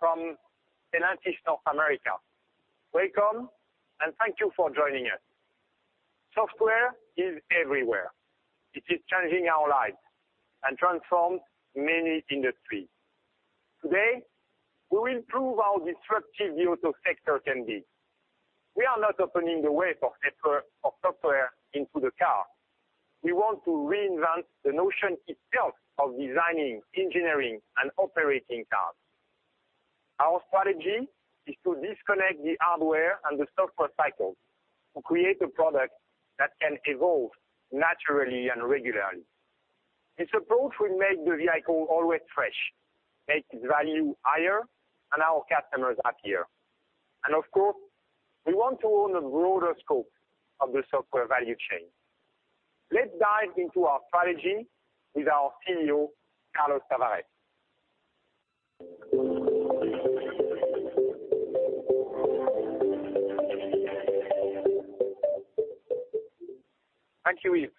From Stellantis, North America. Welcome, thank you for joining us. Software is everywhere. It is changing our lives and transforms many industries. Today, we will prove how disruptive the auto sector can be. We are not opening the way for software into the car. We want to reinvent the notion itself of designing, engineering, and operating cars. Our strategy is to disconnect the hardware and the software cycles to create a product that can evolve naturally and regularly. This approach will make the vehicle always fresh, make its value higher, and our customers happier. Of course, we want to own a broader scope of the software value chain. Let's dive into our strategy with our CEO, Carlos Tavares. Thank you, Yves.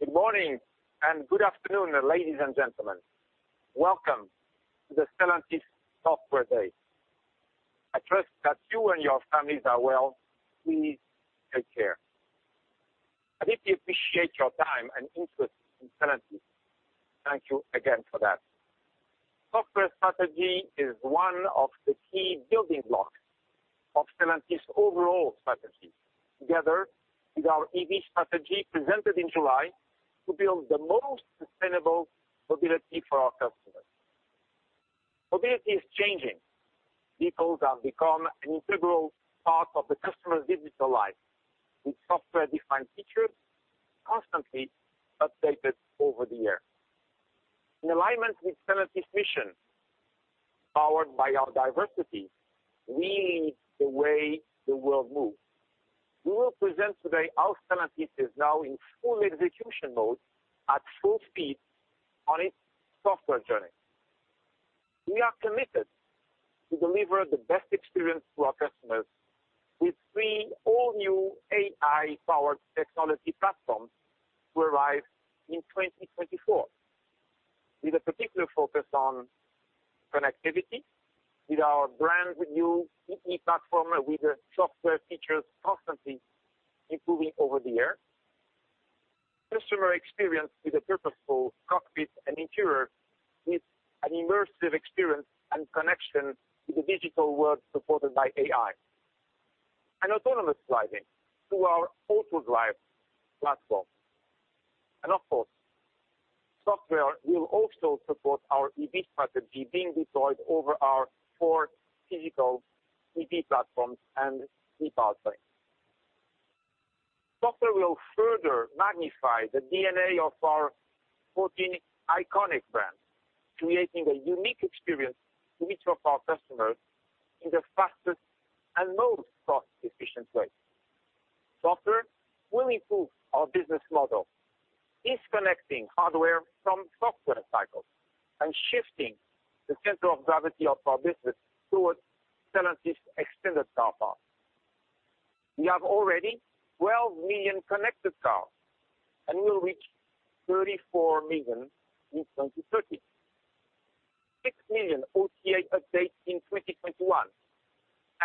Good morning and good afternoon, ladies and gentlemen. Welcome to the Stellantis Software Day. I trust that you and your families are well. Please take care. I deeply appreciate your time and interest in Stellantis. Thank you again for that. Software strategy is one of the key building blocks of Stellantis' overall strategy, together with our EV strategy presented in July, to build the most sustainable mobility for our customers. Mobility is changing. Vehicles have become an integral part of the customer's digital life, with software-defined features constantly updated over the air. In alignment with Stellantis' mission, powered by our diversity, we lead the way the world moves. We will present today how Stellantis is now in full execution mode at full speed on its software journey. We are committed to deliver the best experience to our customers with three all-new AI-powered technology platforms to arrive in 2024, with a particular focus on connectivity with our brand new vehicle platform, with the software features constantly improving over the air; customer experience with a purposeful cockpit and interior with an immersive experience and connection to the digital world supported by AI; and autonomous driving through our AutoDrive platform. Of course, software will also support our EV strategy being deployed over our four physical EV platforms and vehicle types. Software will further magnify the DNA of our 14 iconic brands, creating a unique experience to each of our customers in the fastest and most cost-efficient way. Software will improve our business model, disconnecting hardware from software cycles and shifting the center of gravity of our business towards Stellantis' extended car path. We have already 12 million connected cars, we will reach 34 million in 2030. Six million OTA updates in 2021,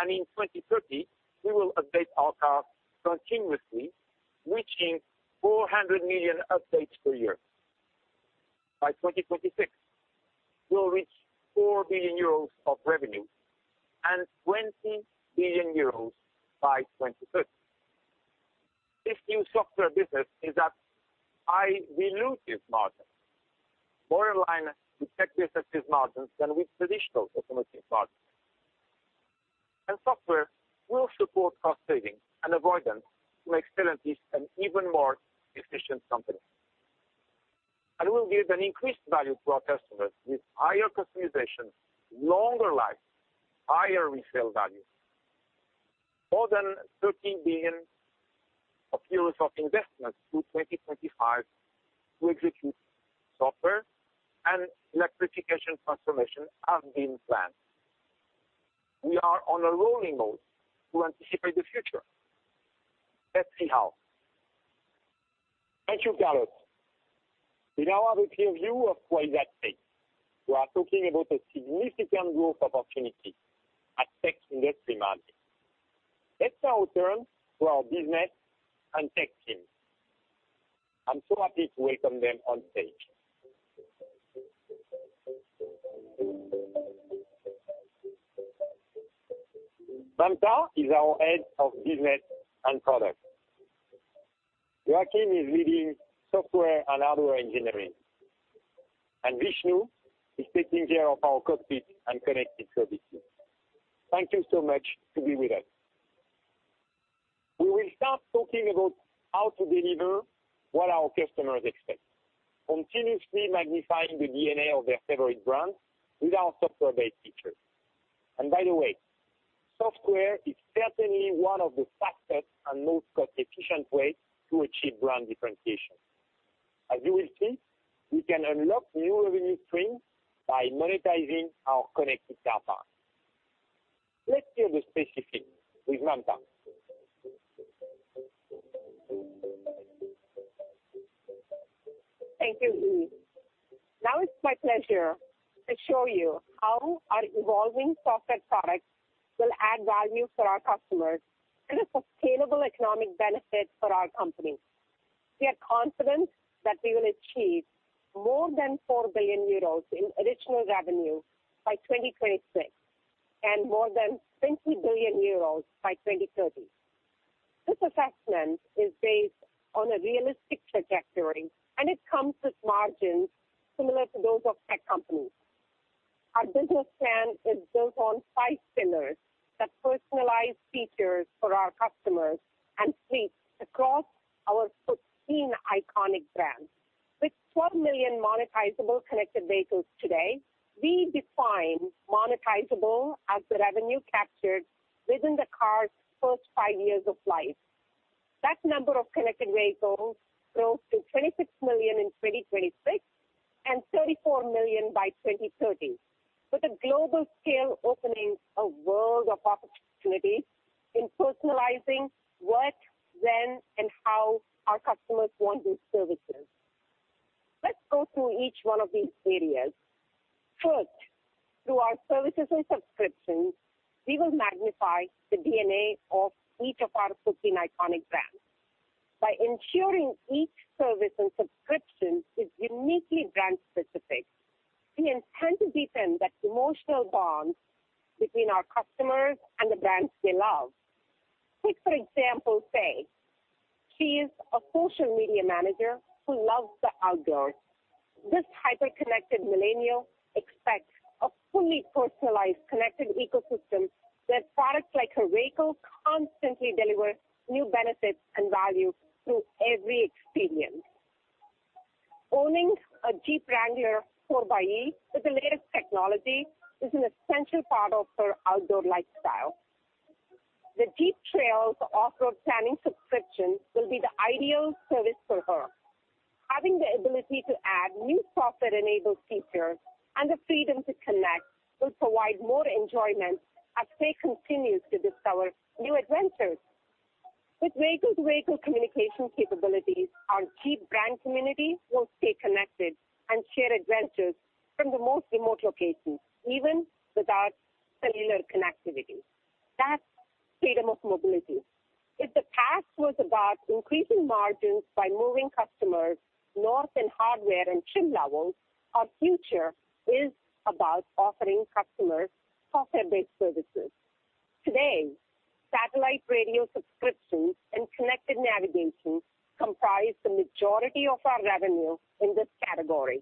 in 2030, we will update our cars continuously, reaching 400 million updates per year. By 2026, we'll reach 4 billion euros of revenue and 20 billion euros by 2030. This new software business is at high dilutive margin, borderline to tech businesses margins than with traditional automotive margins. Software will support cost saving and avoidance to make Stellantis an even more efficient company, and will give an increased value to our customers with higher customization, longer life, higher resale value. More than 30 billion euros of investment through 2025 to execute software and electrification transformation have been planned. We are on a rolling mode to anticipate the future. Let's see how. Thank you, Carlos. We now have a clear view of why that's safe. We are talking about a significant growth opportunity, a tech industry market. Let's now turn to our business and tech teams. I am so happy to welcome them on stage. Mamta is our Head of Business and Product. Joachim is leading software and hardware engineering. Vishnu is taking care of our cockpit and connected services. Thank you so much to be with us. We will start talking about how to deliver what our customers expect, continuously magnifying the DNA of their favorite brands with our software-based features. By the way, software is certainly one of the fastest and most cost-efficient ways to achieve brand differentiation. As you will see, we can unlock new revenue streams by monetizing our connected car path. Let's hear the specifics with Mamta. Thank you, Yves. Now it is my pleasure to show you how our evolving software products will add value for our customers and a sustainable economic benefit for our company. We are confident that we will achieve more than 4 billion euros in additional revenue by 2026, and more than 20 billion euros by 2030. This assessment is based on a realistic trajectory, and it comes with margins similar to those of tech companies. Our business plan is built on 5 pillars that personalize features for our customers and fleets across our 14 iconic brands. With 12 million monetizable connected vehicles today, we define monetizable as the revenue captured within the car's first 5 years of life. That number of connected vehicles grows to 26 million in 2026 and 34 million by 2030, with a global scale opening a world of opportunities in personalizing what, when, and how our customers want these services. Let's go through each one of these areas. First, through our services and subscriptions, we will magnify the DNA of each of our 14 iconic brands. By ensuring each service and subscription is uniquely brand specific, we intend to deepen that emotional bond between our customers and the brands they love. Take, for example, Faye. She is a social media manager who loves the outdoors. This hyper-connected millennial expects a fully personalized connected ecosystem, where products like her vehicle constantly deliver new benefits and value through every experience. Owning a Jeep Wrangler 4xe with the latest technology is an essential part of her outdoor lifestyle. The Jeep Adventure Guides subscription will be the ideal service for her. Having the ability to add new software-enabled features and the freedom to connect will provide more enjoyment as Faye continues to discover new adventures. With vehicle-to-vehicle communication capabilities, our Jeep brand community will stay connected and share adventures from the most remote locations, even without cellular connectivity. That is freedom of mobility. If the past was about increasing margins by moving customers north in hardware and trim levels, our future is about offering customers software-based services. Today, satellite radio subscriptions and connected navigation comprise the majority of our revenue in this category.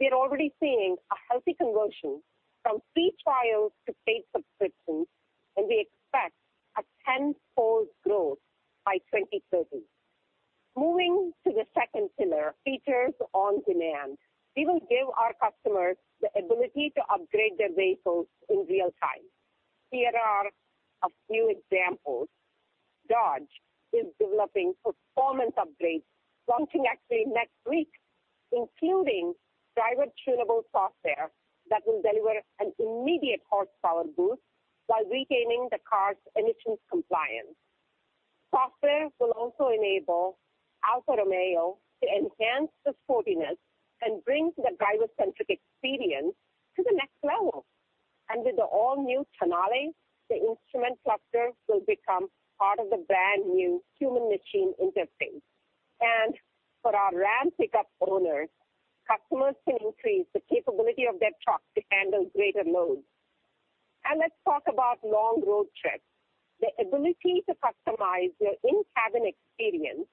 We are already seeing a healthy conversion from free trials to paid subscriptions, and we expect a tenfold growth by 2030. Moving to the second pillar, features on demand. We will give our customers the ability to upgrade their vehicles in real time. Here are a few examples. Dodge is developing performance upgrades, launching actually next week, including driver-tunable software that will deliver an immediate horsepower boost while retaining the car's emissions compliance. Software will also enable Alfa Romeo to enhance the sportiness and bring the driver-centric experience to the next level. With the all-new Tonale, the instrument cluster will become part of the brand-new human-machine interface. For our Ram pickup owners, customers can increase the capability of their truck to handle greater loads. Let's talk about long road trips. The ability to customize their in-cabin experience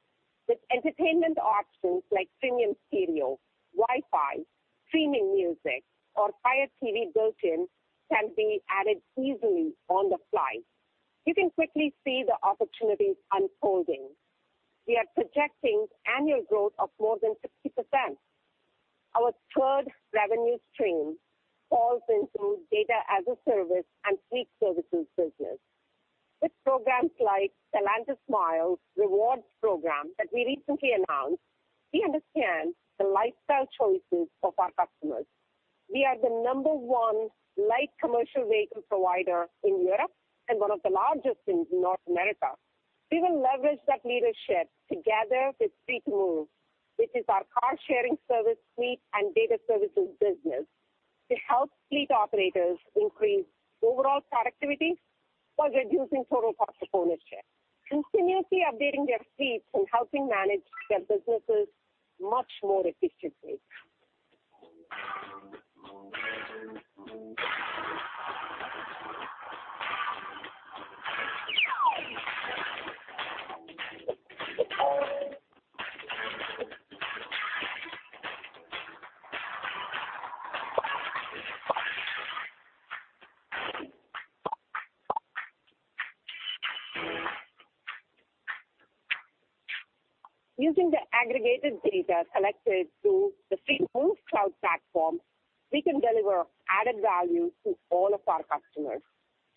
with entertainment options like premium stereo, Wi-Fi, streaming music, or Fire TV built-in can be added easily on the fly. You can quickly see the opportunities unfolding. We are projecting annual growth of more than 50%. Our third revenue stream falls into data-as-a-service and fleet services business. With programs like the Stellantis Miles rewards program that we recently announced, we understand the lifestyle choices of our customers. We are the number one light commercial vehicle provider in Europe and one of the largest in North America. We will leverage that leadership together with Free2move, which is our car-sharing service fleet and data services business, to help fleet operators increase overall productivity while reducing total cost of ownership, continuously updating their fleets and helping manage their businesses much more efficiently. Using the aggregated data collected through the Free2move cloud platform, we can deliver added value to all of our customers.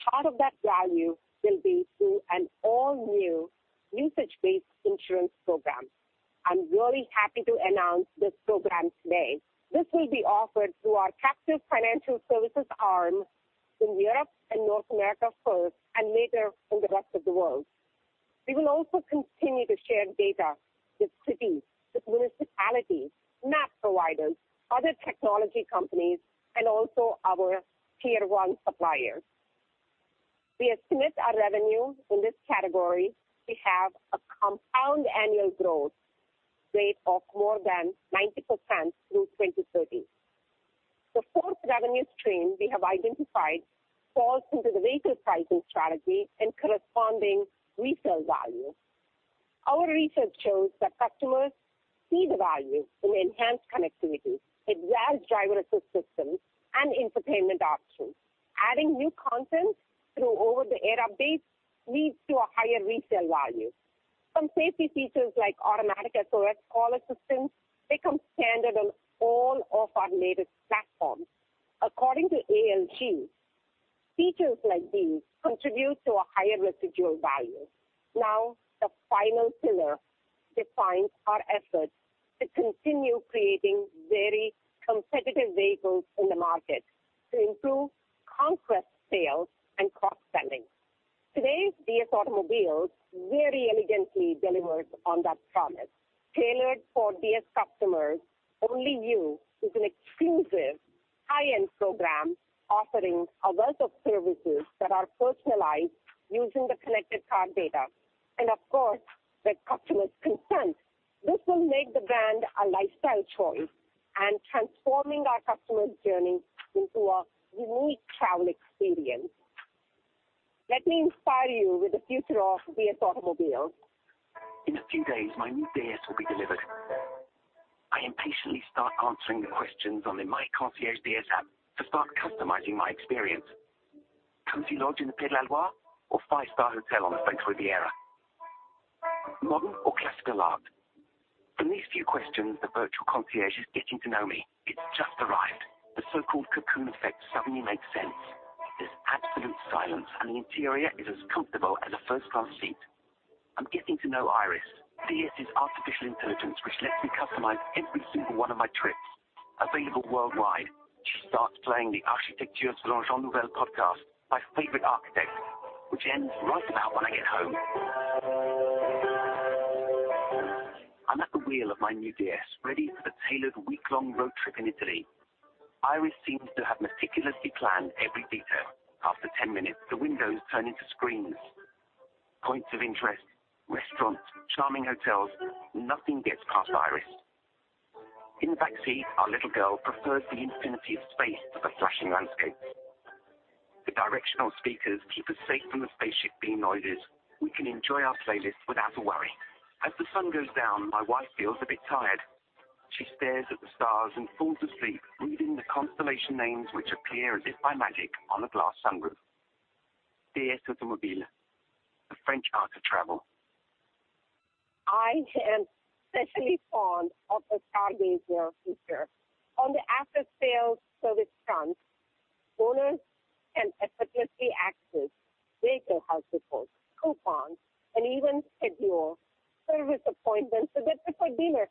Part of that value will be through an all-new usage-based insurance program. I'm really happy to announce this program today. This will be offered through our captive financial services arm in Europe and North America first, and later in the rest of the world. We will also continue to share data with cities, with municipalities, map providers, other technology companies, and also our tier 1 suppliers. We estimate our revenue in this category to have a compound annual growth rate of more than 90% through 2030. The fourth revenue stream we have identified falls into the vehicle pricing strategy and corresponding resale value. Our research shows that customers see the value in enhanced connectivity, advanced driver assist systems, and infotainment options. Adding new content through over-the-air updates leads to a higher resale value. Some safety features like automatic SOS call assistance become standard on all of our latest platforms. According to ALG, features like these contribute to a higher residual value. The final pillar defines our efforts to continue creating very competitive vehicles in the market to improve conquest sales and cross-selling. Today's DS Automobiles very elegantly delivers on that promise. Tailored for DS customers, Only You is an exclusive high-end program offering a wealth of services that are personalized using the connected car data, and of course, with customers' consent. This will make the brand a lifestyle choice, transforming our customer's journey into a unique travel experience. Let me inspire you with the future of DS Automobiles. In a few days, my new DS will be delivered. I impatiently start answering the questions on the MyDS App to start customizing my experience. Cozy lodge in the Pays de la Loire or five-star hotel on the French Riviera? Modern or classical art? From these few questions, the virtual concierge is getting to know me. It's just arrived. The so-called cocoon effect suddenly makes sense. There's absolute silence, and the interior is as comfortable as a first-class seat. I'm getting to know Iris, DS's artificial intelligence, which lets me customize every single one of my trips. Available worldwide. She starts playing the Architectures de Jean Nouvel podcast, my favorite architect, which ends right about when I get home. I'm at the wheel of my new DS, ready for the tailored week-long road trip in Italy. Iris seems to have meticulously planned every detail. After 10 minutes, the windows turn into screens. Points of interest, restaurants, charming hotels. Nothing gets past Iris. In the back seat, our little girl prefers the infinity of space to the flashing landscapes. The directional speakers keep us safe from the spaceship beam noises. We can enjoy our playlist without a worry. As the sun goes down, my wife feels a bit tired. She stares at the stars and falls asleep reading the constellation names, which appear as if by magic on a glass sunroof. DS Automobiles, the French art of travel. I am especially fond of the Stargazer feature. On the after-sales service front, owners can effortlessly access vehicle health reports, coupons, and even schedule service appointments a bit before dinner.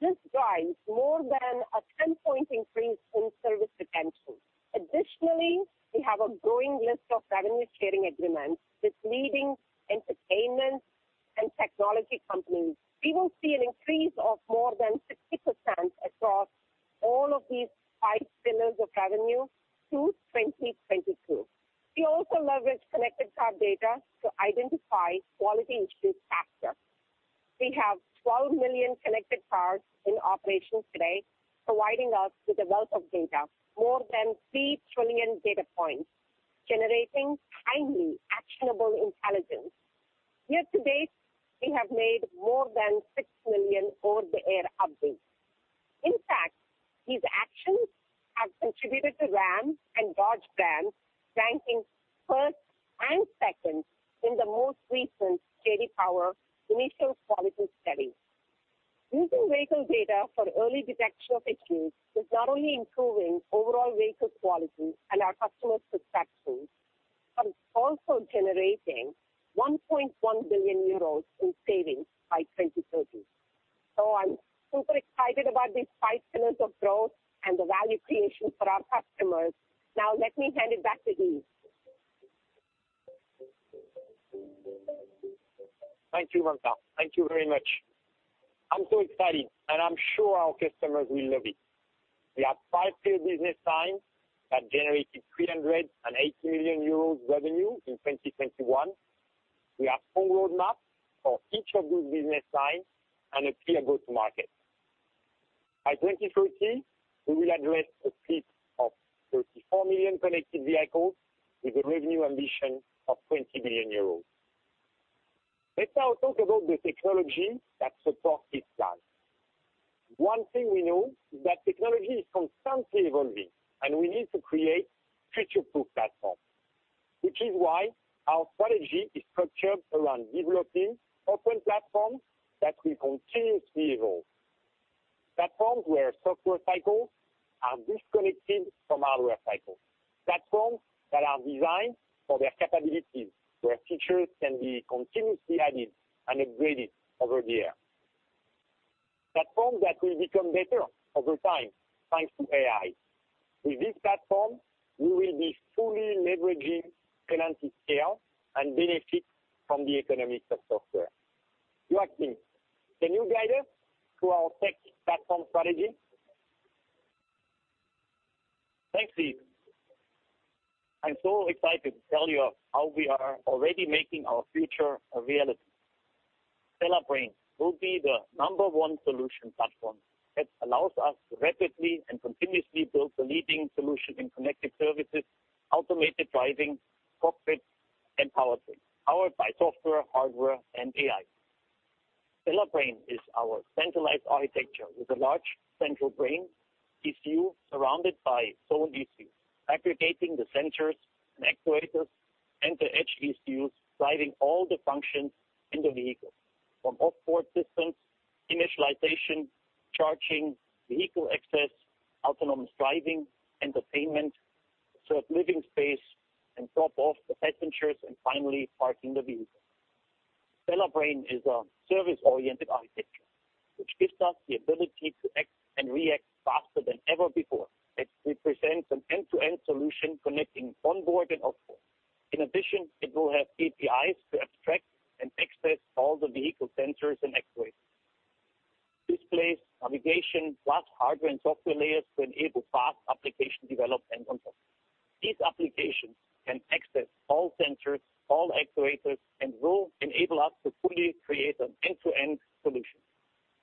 This drives more than a 10-point increase in service retention. Additionally, we have a growing list of revenue-sharing agreements with leading entertainment and technology companies. We will see an increase of more than 60% across all of these five pillars of revenue through 2022. We also leverage connected car data to identify quality issues faster. We have 12 million connected cars in operations today, providing us with a wealth of data, more than 3 trillion data points, generating timely, actionable intelligence. Year to date, we have made more than 6 million over-the-air updates. In fact, these actions have contributed to Ram and Dodge brands ranking first and second in the most recent J.D. Power Initial Quality Study. Using vehicle data for early detection of issues is not only improving overall vehicle quality and our customer satisfaction, it's also generating 1.1 billion euros in savings by 2030. I'm super excited about these five pillars of growth and the value creation for our customers. Let me hand it back to Yves. Thank you, Mamta. Thank you very much. I'm so excited, and I'm sure our customers will love it. We have five clear business lines that generated 380 million euros revenue in 2021. We have full roadmaps for each of those business lines and a clear go-to-market. By 2030, we will address a fleet of 34 million connected vehicles with a revenue ambition of 20 billion euros. Let us now talk about the technology that supports this plan. One thing we know is that technology is constantly evolving, and we need to create future-proof platforms, which is why our strategy is structured around developing open platforms that will continuously evolve. Platforms where software cycles are disconnected from hardware cycles. Platforms that are designed for their capabilities, where features can be continuously added and upgraded over the air. Platform that will become better over time, thanks to AI. With this platform, we will be fully leveraging Stellantis scale and benefit from the economics of software. Joachim, can you guide us through our tech platform strategy? Thanks, Yves. I'm so excited to tell you how we are already making our future a reality. STLA Brain will be the number one solution platform that allows us to rapidly and continuously build the leading solution in connected services, automated driving, cockpit, and powertrain, powered by software, hardware, and AI. STLA Brain is our centralized architecture with a large central brain ECU surrounded by zonal ECUs, aggregating the sensors and actuators and the edge ECUs driving all the functions in the vehicle, from off-board systems, initialization, charging, vehicle access, autonomous driving, entertainment, a third living space, and drop-off of passengers, and finally parking the vehicle. STLA Brain is a service-oriented architecture, which gives us the ability to act and react faster than ever before. It represents an end-to-end solution connecting onboard and off-board. In addition, it will have APIs to abstract and access all the vehicle sensors and actuators. Displays, navigation, plus hardware and software layers to enable fast application development on top. These applications can access all sensors, all actuators, and will enable us to fully create an end-to-end solution.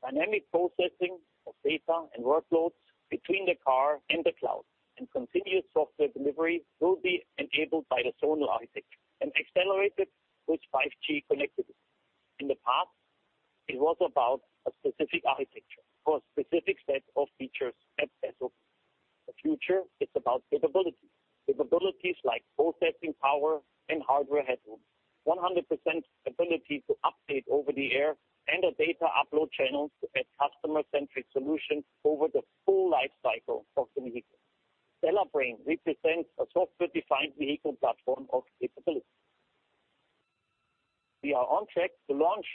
Dynamic processing of data and workloads between the car and the cloud, and continuous software delivery will be enabled by the zonal architecture and accelerated with 5G connectivity. In the past, it was about a specific architecture for a specific set of features and SOAs. The future is about capability. Capabilities like processing power and hardware headroom, 100% ability to update over the air, and a data upload channel to add customer-centric solutions over the full life cycle of the vehicle. STLA Brain represents a software-defined vehicle platform of capability. We are on track to launch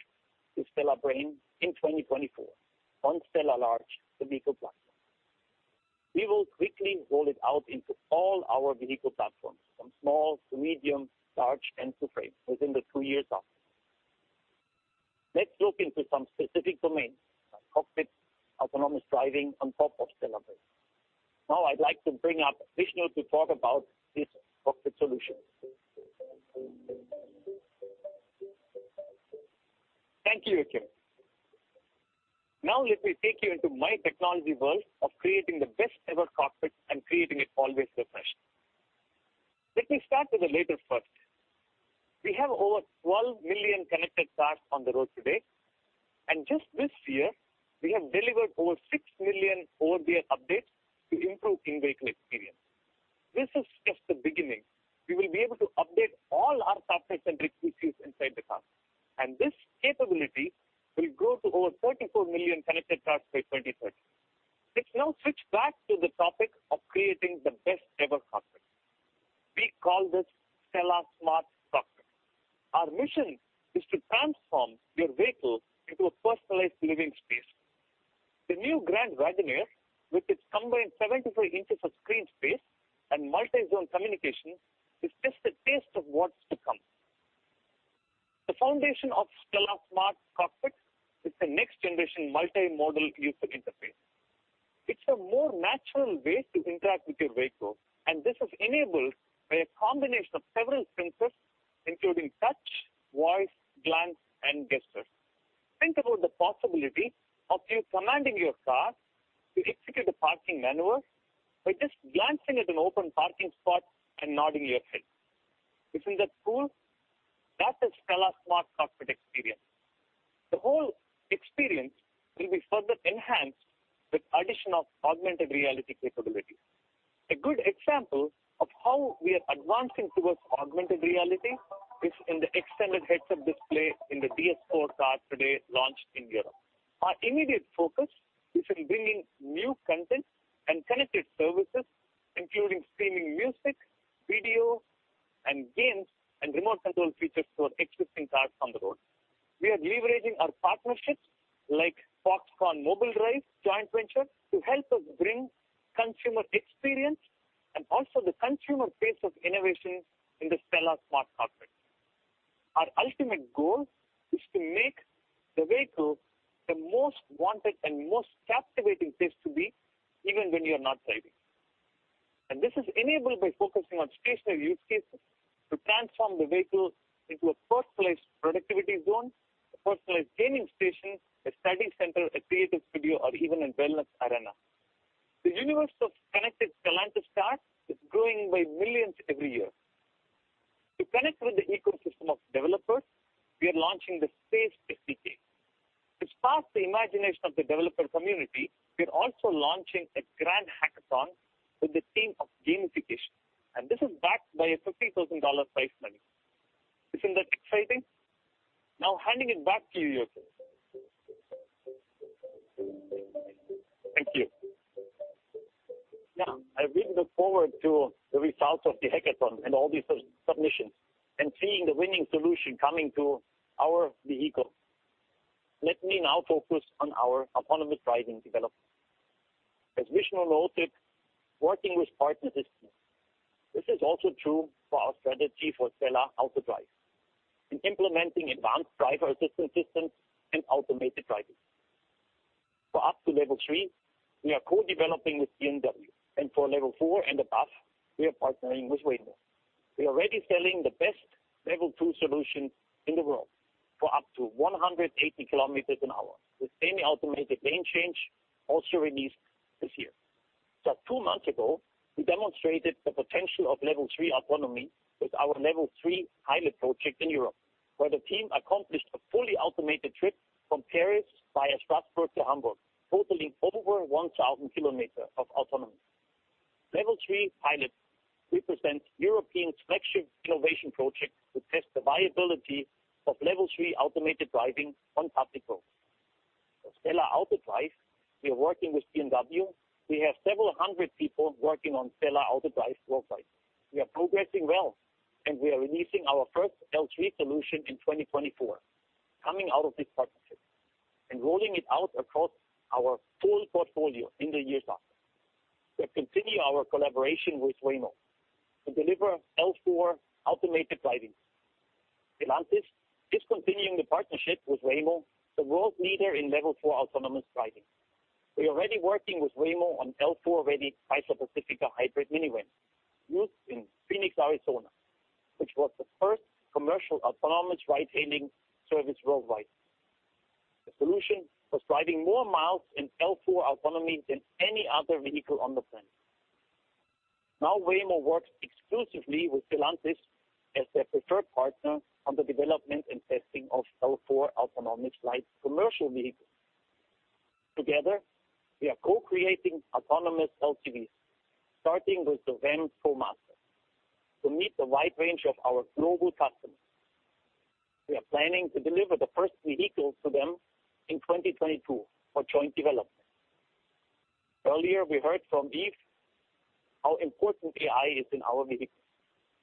the STLA Brain in 2024 on STLA Large, the vehicle platform. We will quickly roll it out into all our vehicle platforms, from small to medium, large and to frame within the 2 years after. Let's look into some specific domains like cockpit, autonomous driving on top of STLA Brain. Now I'd like to bring up Vishnu to talk about these cockpit solutions. Thank you, Joachim. Now let me take you into my technology world of creating the best ever cockpit and creating it always refreshed. Let me start with the latest first. We have over 12 million connected cars on the road today, and just this year, we have delivered over 6 million over-the-air updates to improve in-vehicle experience. This is just the beginning. We will be able to update all our software-centric ECUs inside the car, and this capability will grow to over 34 million connected cars by 2030. Let's now switch back to the topic of creating the best ever cockpit. We call this STLA Smart Cockpit. Our mission is to transform your vehicle into a personalized living space. The new Grand Wagoneer, with its combined 75 inches of screen space and multi-zone communication, is just a taste of what's to come. The foundation of STLA Smart Cockpit is the next-generation multi-modal user interface. It's a more natural way to interact with your vehicle, and this is enabled by a combination of several sensors, including touch, voice, glance, and gestures. Think about the possibility of you commanding your car to execute a parking maneuver by just glancing at an open parking spot and nodding your head. Isn't that cool. That is STLA Smart Cockpit experience. The whole experience will be further enhanced with addition of augmented reality capabilities. A good example of how we are advancing towards augmented reality is in the extended heads-up display in the DS 4 car today launched in Europe. Our immediate focus is in bringing new content and connected services, including streaming music, video, and games, and remote control features to our existing cars on the road. We are leveraging our partnerships like Foxconn Mobile Drive joint venture to help us bring consumer experience and also the consumer pace of innovation in the STLA Smart Cockpit. Our ultimate goal is to make the vehicle the most wanted and most captivating place to be, even when you're not driving. This is enabled by focusing on stationary use cases to transform the vehicle into a personalized productivity zone, a personalized gaming station, a study center, a creative studio, or even a wellness arena. The universe of connected Stellantis cars is growing by millions every year. To connect with the ecosystem of developers, we are launching the Space SDK. To spark the imagination of the developer community, we are also launching a grand hackathon with the theme of gamification, and this is backed by a $50,000 prize money. Isn't that exciting. Now handing it back to you, Joachim. Thank you Yeah. I really look forward to the results of the hackathon and all these submissions, and seeing the winning solution coming to our vehicles. Let me now focus on our autonomous driving development. As Vishnu noted, working with partner systems. This is also true for our strategy for STLA AutoDrive, in implementing advanced driver-assistance systems and automated driving. For up to level 3, we are co-developing with BMW, and for level 4 and above, we are partnering with Waymo. We are already selling the best level 2 solution in the world for up to 180 kilometers an hour, with semi-automated lane change also released this year. Just two months ago, we demonstrated the potential of level 3 autonomy with our level 3 pilot project in Europe, where the team accomplished a fully automated trip from Paris via Strasbourg to Hamburg, totaling over 1,000 kilometers of autonomy. Level 3 pilot represents European flagship innovation project to test the viability of level 3 automated driving on public roads. For STLA AutoDrive, we are working with BMW. We have several hundred people working on STLA AutoDrive worldwide. We are progressing well, and we are releasing our first L3 solution in 2024, coming out of this partnership, and rolling it out across our full portfolio in the years after. We continue our collaboration with Waymo to deliver L4 automated driving. Stellantis is continuing the partnership with Waymo, the world leader in level 4 autonomous driving. We are already working with Waymo on L4-ready Pacifica Hybrid minivan, used in Phoenix, Arizona, which was the first commercial autonomous ride-hailing service worldwide. The solution was driving more miles in L4 autonomy than any other vehicle on the planet. Now Waymo works exclusively with Stellantis as their preferred partner on the development and testing of L4 autonomous light commercial vehicles. Together, we are co-creating autonomous LCVs, starting with the van ProMaster, to meet the wide range of our global customers. We are planning to deliver the first vehicles to them in 2022 for joint development. Earlier, we heard from Yves how important AI is in our vehicles.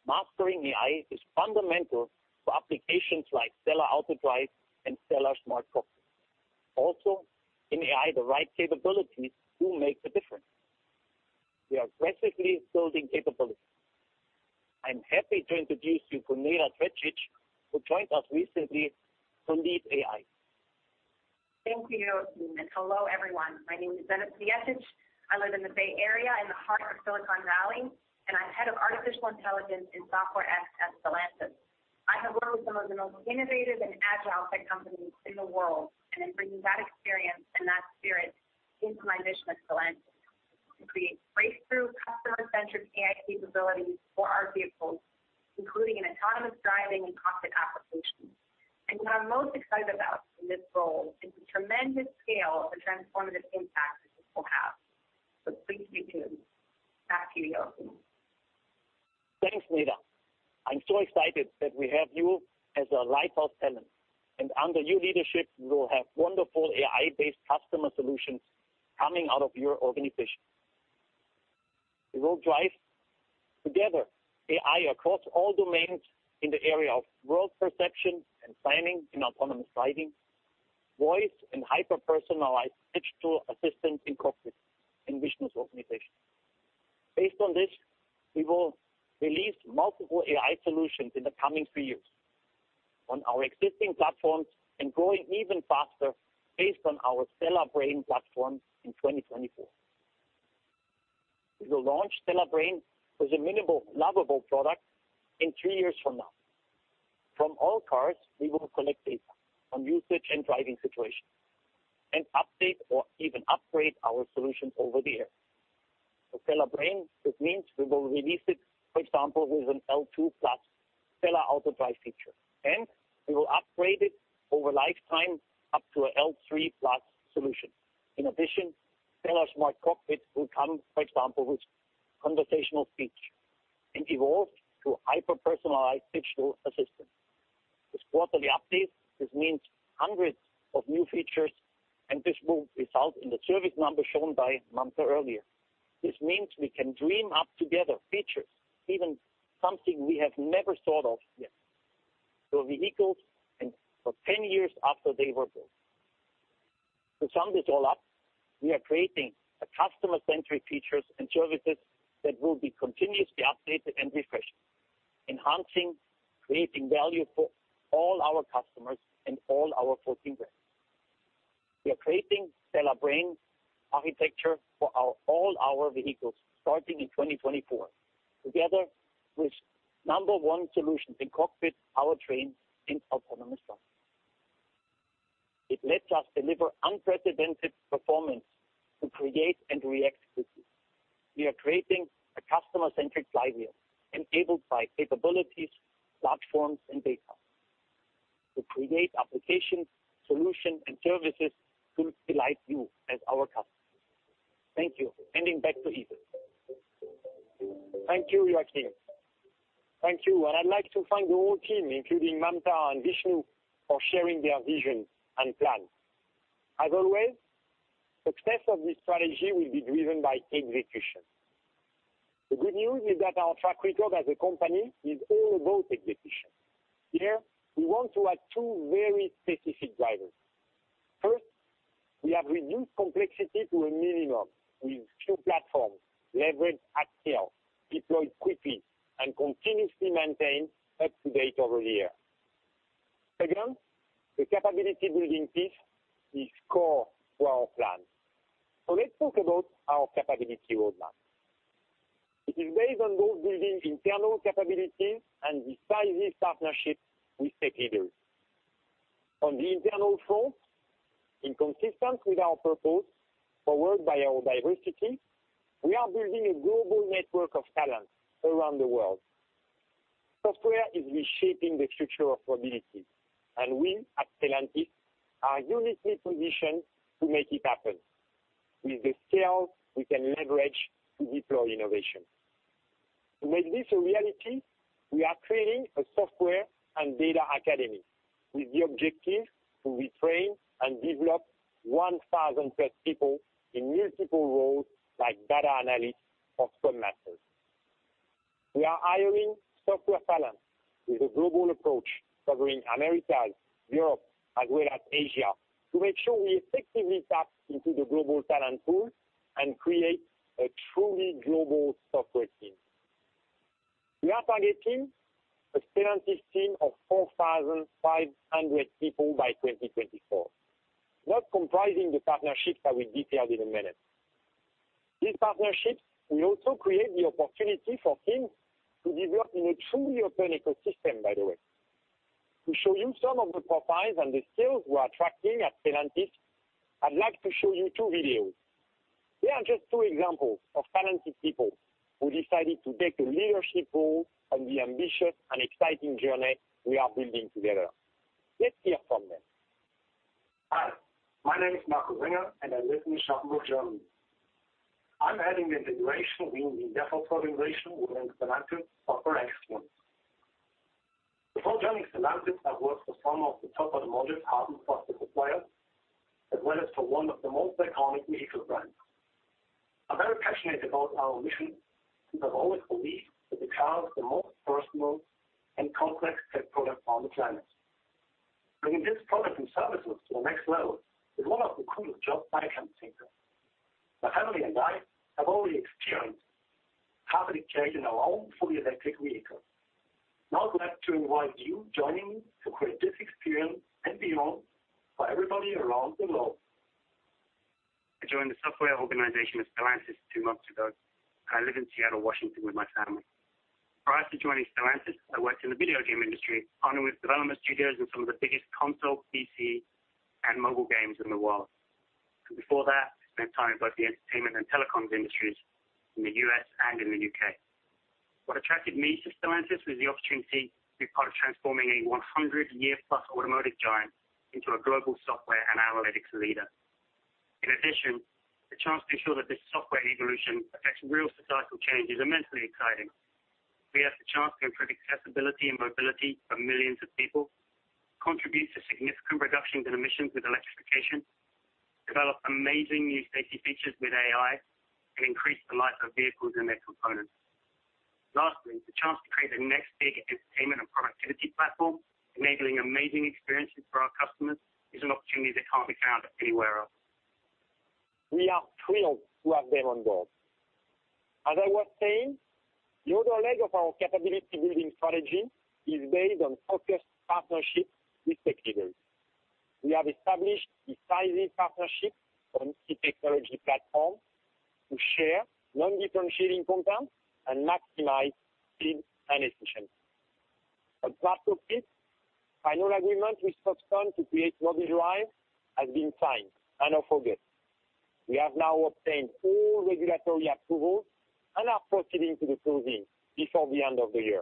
Mastering AI is fundamental for applications like STLA AutoDrive and STLA Smart Cockpit. Also, in AI, the right capabilities will make the difference. We are aggressively building capabilities. I'm happy to introduce you to Neda Cvijetic, who joined us recently to lead AI. Thank you, Joachim, and hello, everyone. My name is Neda Cvijetic. I live in the Bay Area in the heart of Silicon Valley, and I'm Head of Artificial Intelligence and Autonomous Driving at Stellantis. I have worked with some of the most innovative and agile tech companies in the world, and I'm bringing that experience and that spirit into my mission at Stellantis, to create breakthrough customer-centric AI capabilities for our vehicles, including in autonomous driving and cockpit applications. What I'm most excited about in this role is the tremendous scale of the transformative impact that this will have. Please be tuned. Back to you, Joachim. Thanks, Neda. I'm so excited that we have you as a lighthouse talent, and under your leadership, we will have wonderful AI-based customer solutions coming out of your organization. We will drive together AI across all domains in the area of world perception and planning in autonomous driving, voice and hyper-personalized digital assistant in cockpit, and Vishnu's organization. Based on this, we will release multiple AI solutions in the coming three years on our existing platforms and growing even faster based on our STLA Brain platform in 2024. We will launch STLA Brain as a minimal lovable product in three years from now. From all cars, we will collect data on usage and driving situations and update or even upgrade our solutions over the air. STLA Brain, this means we will release it, for example, with an L2+ STLA AutoDrive feature, and we will upgrade it over lifetime up to a L3+ solution. In addition, STLA Smart Cockpit will come, for example, with conversational speech and evolve to hyper-personalized digital assistant. With quarterly updates, this means hundreds of new features, and this will result in the service number shown by Mamta earlier. This means we can dream up together features, even something we have never thought of yet, for vehicles and for 10 years after they were built. To sum this all up, we are creating customer-centric features and services that will be continuously updated and refreshed, enhancing, creating value for all our customers and all our 14 brands. We are creating STLA Brain architecture for all our vehicles, starting in 2024, together with number one solutions in cockpit, powertrain, and autonomous driving. It lets us deliver unprecedented performance to create and react quickly. We are creating a customer-centric flywheel enabled by capabilities, platforms, and data to create applications, solutions, and services to delight you as our customers. Thank you. Handing back to Yves. Thank you, Joachim. Thank you. I'd like to thank the whole team, including Mamta and Vishnu, for sharing their vision and plan. As always, success of this strategy will be driven by execution. The good news is that our track record as a company is all about execution. Here, we want to add two very specific drivers. First, we have reduced complexity to a minimum with few platforms, leveraged at scale, deployed quickly, and continuously maintained up to date over the year. Second, the capability building piece is core to our plan. Let's talk about our capability roadmap. It is based on both building internal capabilities and decisive partnerships with tech leaders. On the internal front, consistent with our purpose, powered by our diversity, we are building a global network of talent around the world. Software is reshaping the future of mobility. We at Stellantis are uniquely positioned to make it happen with the scale we can leverage to deploy innovation. To make this a reality, we are creating a Software and Data Academy with the objective to retrain and develop 1,000+ people in multiple roles like data analytics or scrum masters. We are hiring software talent with a global approach covering Americas, Europe, as well as Asia, to make sure we effectively tap into the global talent pool and create a truly global software team. We are targeting a Stellantis team of 4,500 people by 2024, not comprising the partnerships that we detailed in a minute. These partnerships will also create the opportunity for teams to develop in a truly open ecosystem, by the way. To show you some of the profiles and the skills we are attracting at Stellantis, I'd like to show you two videos. They are just two examples of Stellantis people who decided to take a leadership role on the ambitious and exciting journey we are building together. Let's hear from them. Hi, my name is Marco Ringer. I live in Schaumburg, Germany. I'm heading the integration within the software organization within Stellantis Software Excellence. Before joining Stellantis, I worked for some of the top automotive hardware and software suppliers, as well as for one of the most iconic vehicle brands. I'm very passionate about our mission because I've always believed that the car is the most personal and complex tech product on the planet. Bringing this product and services to the next level is one of the coolest jobs I can think of. My family and I have already experienced carbon credits in our own fully electric vehicle. I'd like to invite you join me to create this experience and beyond for everybody around the globe. I joined the software organization at Stellantis two months ago. I live in Seattle, Washington with my family. Prior to joining Stellantis, I worked in the video game industry, partnering with development studios on some of the biggest console, PC, and mobile games in the world. Before that, I spent time in both the entertainment and telecoms industries in the U.S. and in the U.K. What attracted me to Stellantis was the opportunity to be part of transforming a 100-year plus automotive giant into a global software and analytics leader. In addition, the chance to ensure that this software evolution affects real societal change is immensely exciting. We have the chance to improve accessibility and mobility for millions of people, contribute to significant reductions in emissions with electrification, develop amazing new safety features with AI, and increase the life of vehicles and their components. Lastly, the chance to create the next big entertainment and productivity platform, enabling amazing experiences for our customers, is an opportunity that can't be found anywhere else. We are thrilled to have them on board. As I was saying, the other leg of our capability building strategy is based on focused partnerships with tech leaders. We have established decisive partnerships on key technology platforms to share non-differentiating components and maximize speed and efficiency. As part of it, final agreement with Foxconn to create Mobile Drive has been signed and approved. We have now obtained all regulatory approvals and are proceeding to the closing before the end of the year.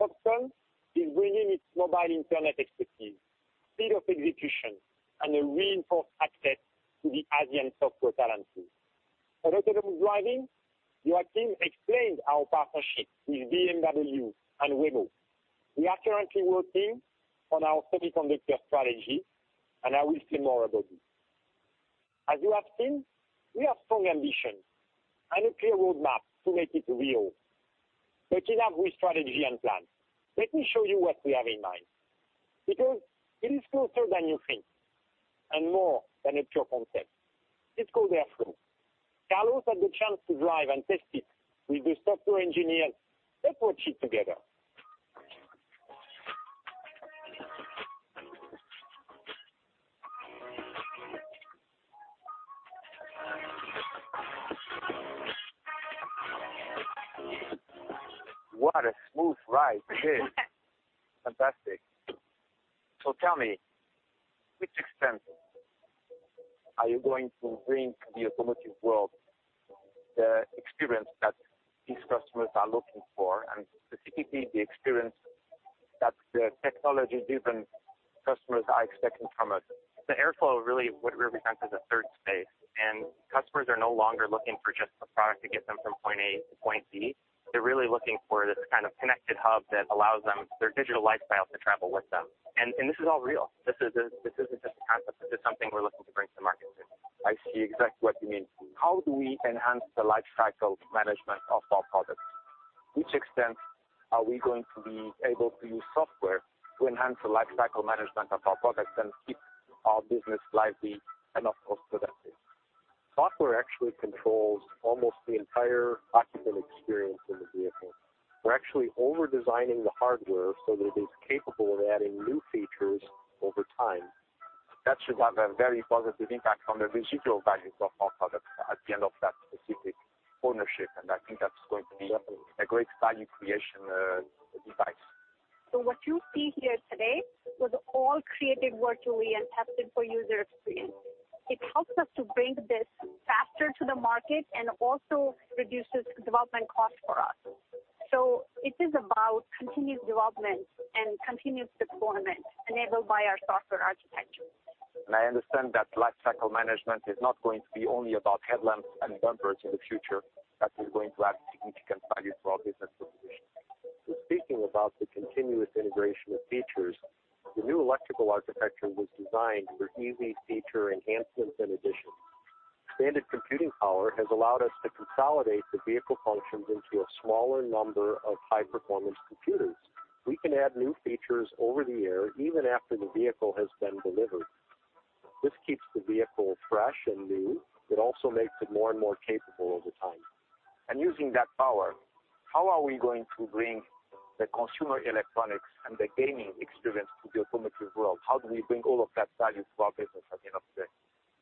Foxconn is bringing its mobile internet expertise, speed of execution, and a reinforced access to the Asian software talent pool. For autonomous driving, Joachim explained our partnership with BMW and Waymo. We are currently working on our semiconductor strategy, and I will say more about this. As you have seen, we have strong ambition and a clear roadmap to make it real. Enough with strategy and plan. Let me show you what we have in mind, because it is closer than you think and more than a pure concept. It's called Airflow. Carlos had the chance to drive and test it with the software engineers. Let's watch it together. What a smooth ride it is. Fantastic. Tell me, which extent are you going to bring to the automotive world the experience that these customers are looking for, and specifically the experience That's the technology-driven customers are expecting from us. The Airflow really what represents is a third space. Customers are no longer looking for just a product to get them from point A to point B. They're really looking for this kind of connected hub that allows their digital lifestyle to travel with them. This is all real. This isn't just a concept. This is something we're looking to bring to market soon. I see exactly what you mean. How do we enhance the lifecycle management of our products? To which extent are we going to be able to use software to enhance the lifecycle management of our products and keep our business lively and, of course, productive? Software actually controls almost the entire occupant experience in the vehicle. We're actually over-designing the hardware so that it is capable of adding new features over time. That should have a very positive impact on the residual value of our product at the end of that specific ownership, I think that's going to be a great value creation device. What you see here today was all created virtually and tested for user experience. It helps us to bring this faster to the market, also reduces development cost for us. It is about continuous development and continuous deployment enabled by our software architecture. I understand that lifecycle management is not going to be only about headlamps and bumpers in the future. That is going to add significant value to our business proposition. Speaking about the continuous integration of features, the new electrical architecture was designed for easy feature enhancements and additions. Standard computing power has allowed us to consolidate the vehicle functions into a smaller number of high-performance computers. We can add new features over the air even after the vehicle has been delivered. This keeps the vehicle fresh and new. It also makes it more and more capable over time. Using that power, how are we going to bring the consumer electronics and the gaming experience to the automotive world? How do we bring all of that value to our business at the end of the day?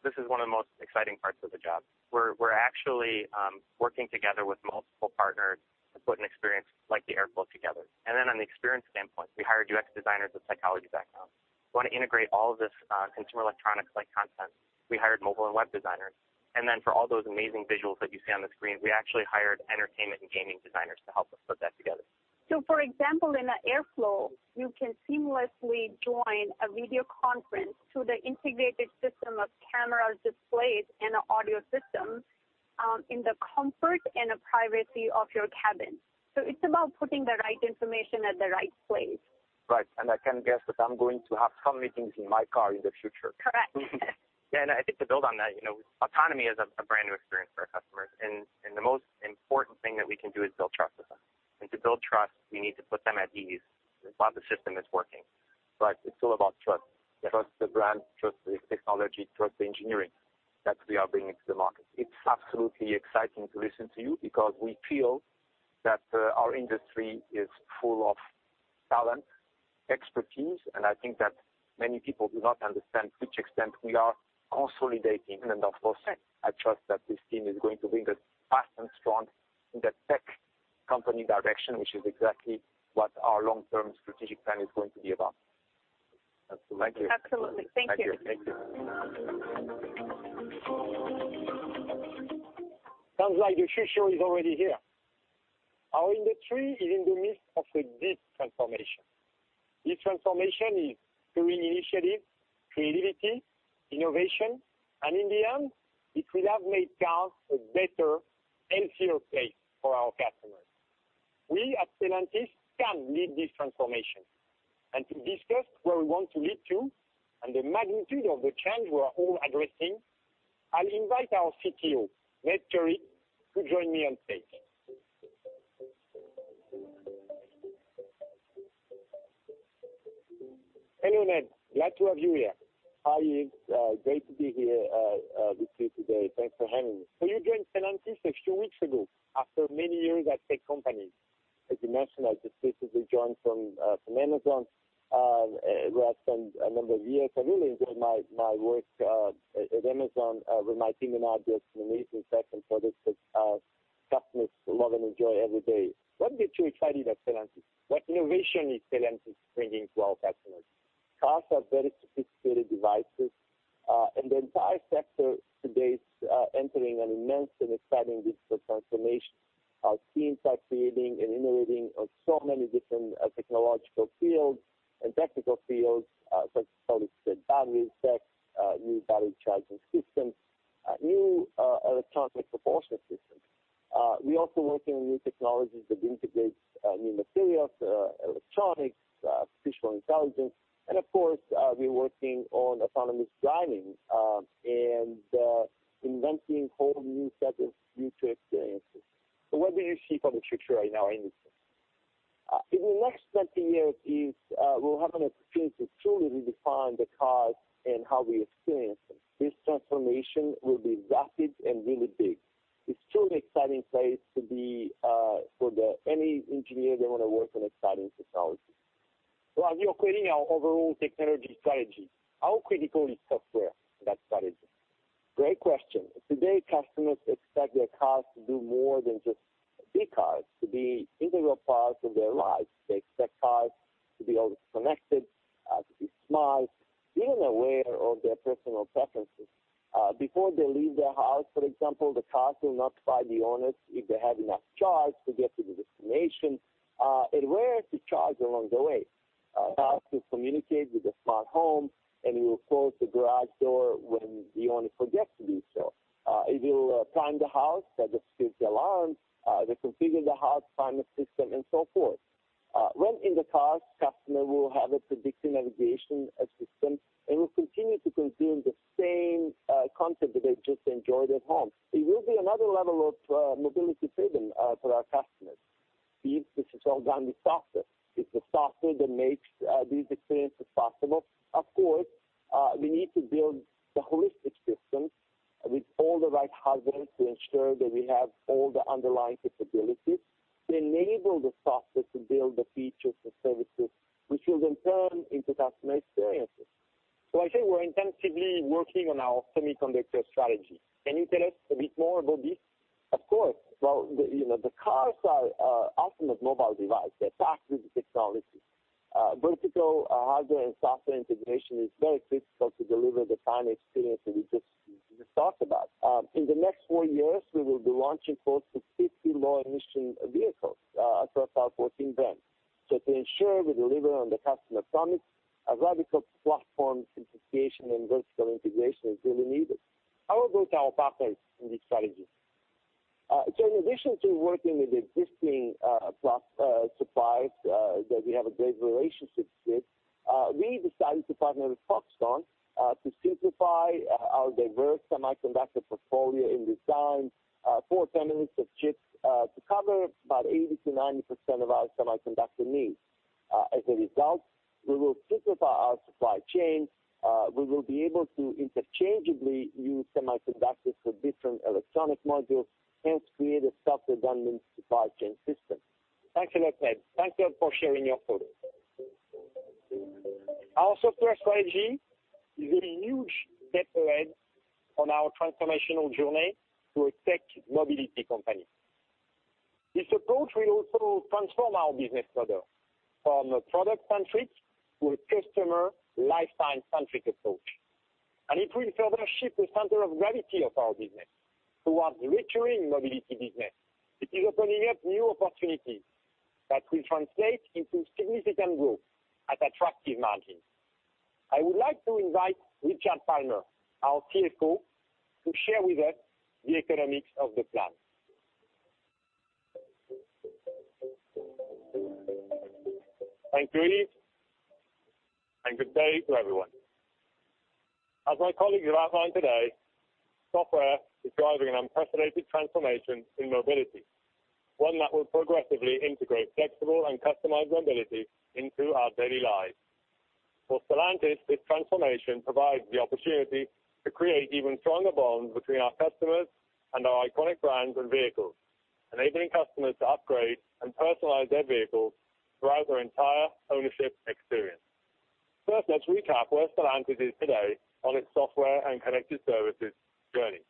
This is one of the most exciting parts of the job. We're actually working together with multiple partners to put an experience like the Airflow together. On the experience standpoint, we hired UX designers with psychology backgrounds. We want to integrate all of this consumer electronics-like content. We hired mobile and web designers, for all those amazing visuals that you see on the screen, we actually hired entertainment and gaming designers to help us put that together. For example, in the Airflow, you can seamlessly join a video conference through the integrated system of cameras, displays, and audio systems, in the comfort and privacy of your cabin. It's about putting the right information at the right place. Right. I can guess that I'm going to have some meetings in my car in the future. Correct. Yeah, I think to build on that, autonomy is a brand new experience for our customers, the most important thing that we can do is build trust with them. To build trust, we need to put them at ease, while the system is working. Right. It's all about trust. Yeah. Trust the brand, trust the technology, trust the engineering that we are bringing to the market. It's absolutely exciting to listen to you because we feel that our industry is full of talent, expertise, and I think that many people do not understand to which extent we are consolidating. Right I trust that this team is going to bring us fast and strong in the tech company direction, which is exactly what our long-term strategic plan is going to be about. Absolutely. Thank you. Absolutely. Thank you. Thank you. Sounds like the future is already here. Our industry is in the midst of a deep transformation. This transformation is through initiative, creativity, innovation, and in the end, it will have made cars a better, healthier place for our customers. We at Stellantis can lead this transformation, and to discuss where we want to lead to and the magnitude of the change we are all addressing, I will invite our CTO, Ned Curic, to join me on stage. Hello, Ned. Glad to have you here. Hi, Yves. Great to be here with you today. Thanks for having me. You joined Stellantis a few weeks ago after many years at tech companies. As you mentioned, I just recently joined from Amazon, where I spent a number of years. I really enjoyed my work at Amazon with my team, and obviously some amazing tech and products that our customers love and enjoy every day. What gets you excited at Stellantis? What innovation is Stellantis bringing to our customers? Cars are very sophisticated devices, and the entire sector today is entering an immense and exciting digital transformation. Our teams are creating and innovating on so many different technological fields and technical fields, such as solid-state battery tech, new battery charging systems, new electronic propulsion systems. We're also working on new technologies that integrate new materials, electronics, artificial intelligence, and of course, we're working on autonomous driving, and inventing whole new sets of future experiences. What do you see for the future right now in this sense? In the next 20 years, Yves, we'll have an opportunity to truly redefine the cars and how we experience them. This transformation will be rapid and really big. It's truly an exciting place to be for any engineer that want to work on exciting technology. While you're creating our overall technology strategy, how critical is software to that strategy? Great question. Today, customers expect their cars to do more than just be cars, to be integral parts of their lives. They expect cars to be always connected Smart, being aware of their personal preferences. Before they leave their house, for example, the car will notify the owners if they have enough charge to get to the destination, and where to charge along the way. Cars will communicate with the smart home, and it will close the garage door when the owner forgets to do so. It will prime the house, adjust the alarm, deconfigure the house climate system, and so forth. When in the car, customer will have a predictive navigation system and will continue to consume the same content that they just enjoyed at home. It will be another level of mobility freedom for our customers. Yves, this is all done with software. It's the software that makes these experiences possible. Of course, we need to build the holistic system with all the right hardware to ensure that we have all the underlying capabilities to enable the software to build the features and services, which will then turn into customer experiences. I think we're intensively working on our semiconductor strategy. Can you tell us a bit more about this? Of course. Well, the cars are ultimate mobile device. They're packed with technology. Vertical, hardware, and software integration is very critical to deliver the kind of experience that we just talked about. In the next four years, we will be launching close to 50 low emission vehicles across our 14 brands. To ensure we deliver on the customer promise, a radical platform simplification and vertical integration is really needed. How about our partners in this strategy? In addition to working with existing suppliers that we have a great relationship with, we decided to partner with Foxconn to simplify our diverse semiconductor portfolio in design for families of chips to cover about 80%-90% of our semiconductor needs. As a result, we will simplify our supply chain. We will be able to interchangeably use semiconductors for different electronic modules, hence create a self-redundant supply chain system. Thanks a lot, Ned. Thank you for sharing your thoughts. Our software strategy is a huge step ahead on our transformational journey to a tech mobility company. This approach will also transform our business model from a product-centric to a customer lifetime-centric approach. It will further shift the center of gravity of our business towards recurring mobility business. It is opening up new opportunities that will translate into significant growth at attractive margins. I would like to invite Richard Palmer, our CFO, to share with us the economics of the plan. Thank you, Yves, and good day to everyone. As my colleagues have outlined today, software is driving an unprecedented transformation in mobility, one that will progressively integrate flexible and customized mobility into our daily lives. For Stellantis, this transformation provides the opportunity to create even stronger bonds between our customers and our iconic brands and vehicles, enabling customers to upgrade and personalize their vehicles throughout their entire ownership experience. First, let's recap where Stellantis is today on its software and connected services journey.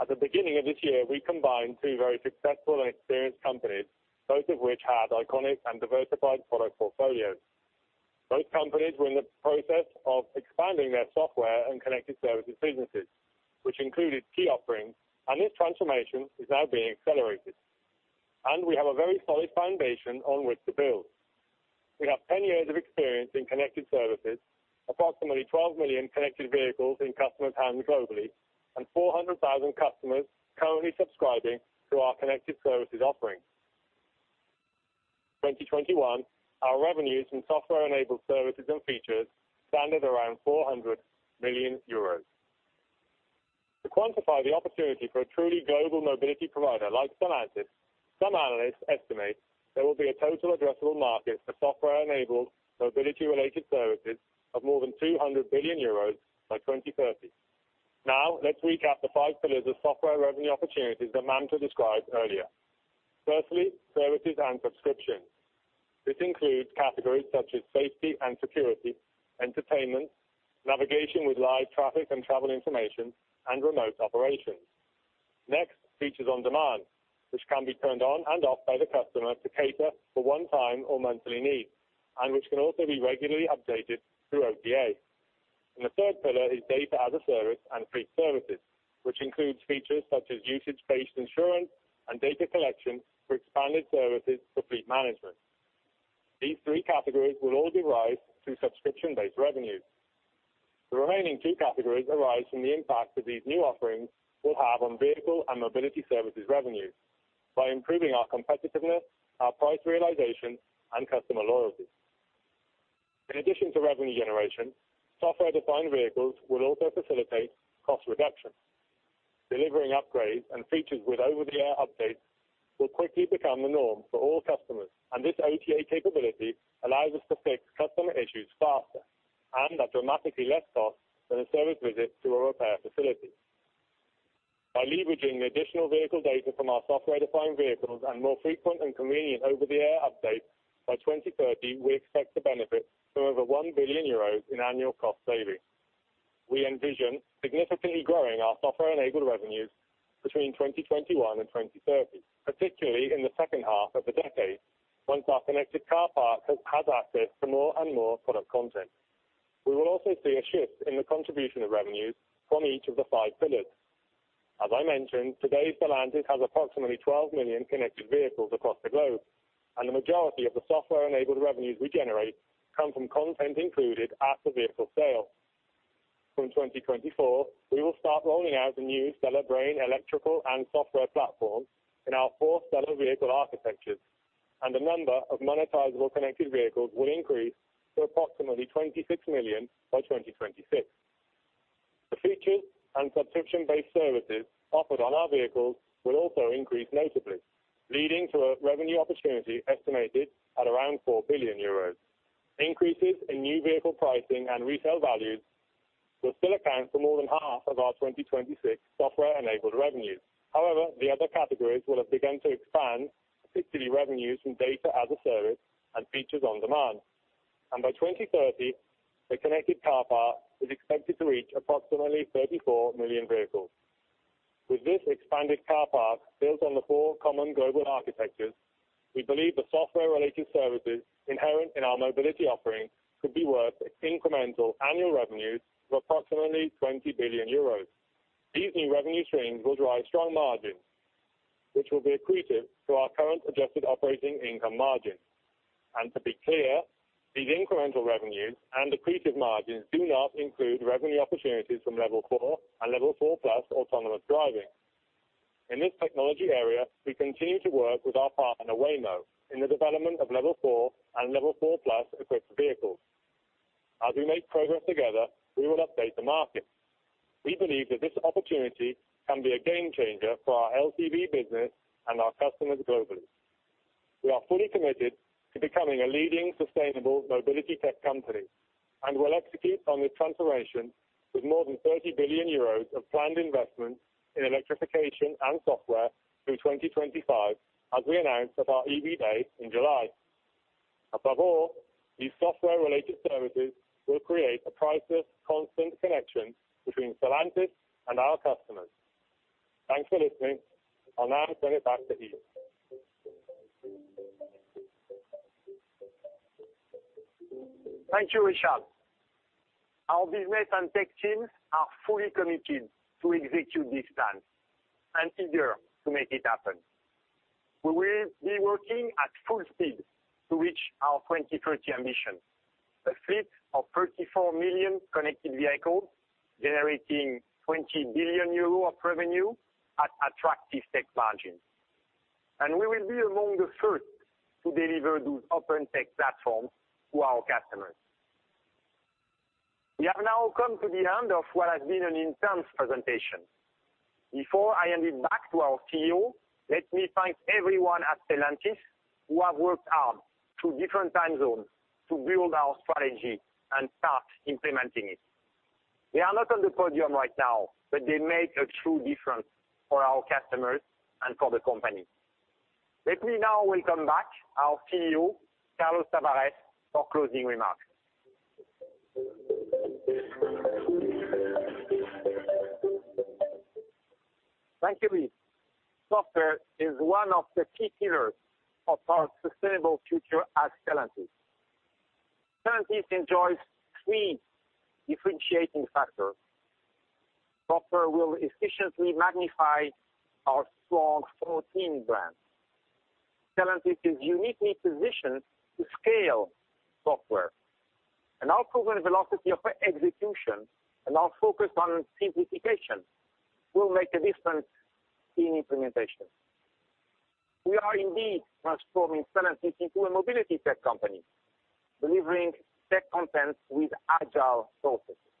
At the beginning of this year, we combined two very successful and experienced companies, both of which had iconic and diversified product portfolios. Both companies were in the process of expanding their software and connected services businesses, which included key offerings, and this transformation is now being accelerated. We have a very solid foundation on which to build. We have 10 years of experience in connected services, approximately 12 million connected vehicles in customers' hands globally, and 400,000 customers currently subscribing to our connected services offerings. 2021, our revenues in software-enabled services and features stand at around 400 million euros. To quantify the opportunity for a truly global mobility provider like Stellantis, some analysts estimate there will be a total addressable market for software-enabled mobility-related services of more than 200 billion euros by 2030. Now, let's recap the five pillars of software revenue opportunities that Mamta described earlier. Firstly, services and subscriptions. This includes categories such as safety and security, entertainment, navigation with live traffic and travel information, and remote operations. Next, features on demand, which can be turned on and off by the customer to cater for one time or monthly needs, and which can also be regularly updated through OTA. The third pillar is data as a service and fleet services, which includes features such as usage-based insurance and data collection for expanded services for fleet management. These three categories will all give rise to subscription-based revenues. The remaining two categories arise from the impact that these new offerings will have on vehicle and mobility services revenues by improving our competitiveness, our price realization, and customer loyalty. In addition to revenue generation, software-defined vehicles will also facilitate cost reduction. Delivering upgrades and features with over-the-air updates will quickly become the norm for all customers, and this OTA capability allows us to fix customer issues faster and at dramatically less cost than a service visit to a repair facility. By leveraging the additional vehicle data from our software-defined vehicles and more frequent and convenient over-the-air updates, by 2030, we expect to benefit from over 1 billion euros in annual cost savings. We envision significantly growing our software-enabled revenues between 2021 and 2030, particularly in the second half of the decade, once our connected car park has access to more and more product content. We will also see a shift in the contribution of revenues from each of the five pillars. As I mentioned, today, Stellantis has approximately 12 million connected vehicles across the globe, and the majority of the software-enabled revenues we generate come from content included at the vehicle sale. From 2024, we will start rolling out the new STLA Brain electrical and software platform in our 4 STLA vehicle architectures, and the number of monetizable connected vehicles will increase to approximately 26 million by 2026. The features and subscription-based services offered on our vehicles will also increase notably, leading to a revenue opportunity estimated at around 4 billion euros. Increases in new vehicle pricing and resale values will still account for more than half of our 2026 software-enabled revenues. However, the other categories will have begun to expand, particularly revenues from data as a service and features on demand. By 2030, the connected car park is expected to reach approximately 34 million vehicles. With this expanded car park built on the 4 common global architectures, we believe the software-related services inherent in our mobility offering could be worth incremental annual revenues of approximately 20 billion euros. These new revenue streams will drive strong margins, which will be accretive to our current adjusted operating income margins. To be clear, these incremental revenues and accretive margins do not include revenue opportunities from level 4 and level 4+ autonomous driving. In this technology area, we continue to work with our partner, Waymo, in the development of level 4 and level 4+-equipped vehicles. As we make progress together, we will update the market. We believe that this opportunity can be a game changer for our LCV business and our customers globally. We are fully committed to becoming a leading sustainable mobility tech company, and will execute on this transformation with more than 30 billion euros of planned investments in electrification and software through 2025, as we announced at our EV Day in July. Above all, these software-related services will create a priceless, constant connection between Stellantis and our customers. Thanks for listening. I'll now turn it back to Yves. Thank you, Richard. Our business and tech teams are fully committed to execute this plan and eager to make it happen. We will be working at full speed to reach our 2030 ambition. A fleet of 34 million connected vehicles generating 20 billion euros of revenue at attractive tech margins. We will be among the first to deliver those open tech platforms to our customers. We have now come to the end of what has been an intense presentation. Before I hand it back to our CEO, let me thank everyone at Stellantis who have worked hard through different time zones to build our strategy and start implementing it. They are not on the podium right now, but they make a true difference for our customers and for the company. Let me now welcome back our CEO, Carlos Tavares, for closing remarks. Thank you, Yves. Software is one of the key pillars of our sustainable future at Stellantis. Stellantis enjoys three differentiating factors. Software will efficiently magnify our strong 14 brands. Stellantis is uniquely positioned to scale software, our proven velocity of execution and our focus on simplification will make a difference in implementation. We are indeed transforming Stellantis into a mobility tech company, delivering tech content with agile processes.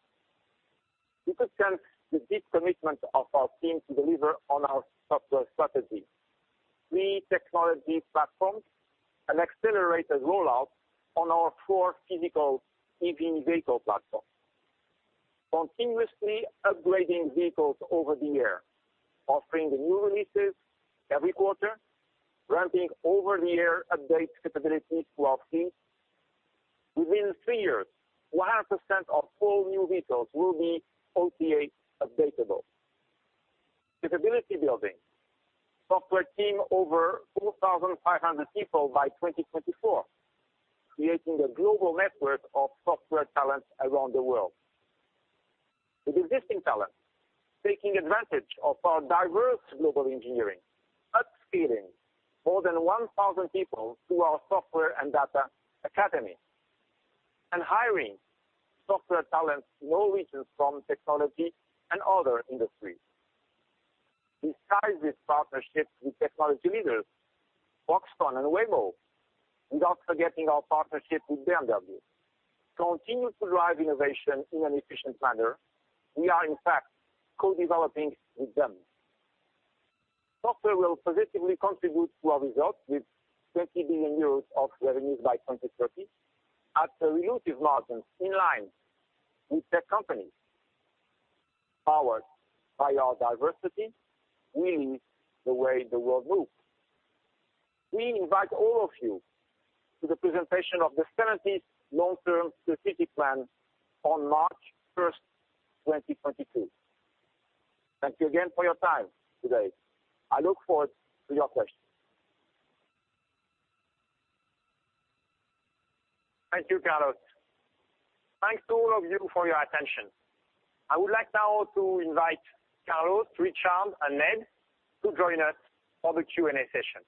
You could sense the deep commitment of our team to deliver on our software strategy. Three technology platforms, an accelerated rollout on our four physical EV vehicle platforms. Continuously upgrading vehicles over the air, offering new releases every quarter, ramping over-the-air update capability to our teams. Within three years, 100% of all new vehicles will be OTA updatable. Capability building. Software team over 4,500 people by 2024, creating a global network of software talent around the world. With existing talent, taking advantage of our diverse global engineering, upskilling more than 1,000 people through our Software and Data Academy, hiring software talents in all regions from technology and other industries. Besides these partnerships with technology leaders, Foxconn and Waymo, without forgetting our partnership with BMW, continue to drive innovation in an efficient manner. We are, in fact, co-developing with them. Software will positively contribute to our results with 20 billion euros of revenues by 2030 at a relative margin in line with tech companies. Powered by our diversity, we lead the way the world moves. We invite all of you to the presentation of the Stellantis long-term strategic plan on March 1st, 2022. Thank you again for your time today. I look forward to your questions. Thank you, Carlos. Thanks to all of you for your attention. I would like now to invite Carlos, Richard, and Ned to join us for the Q&A session.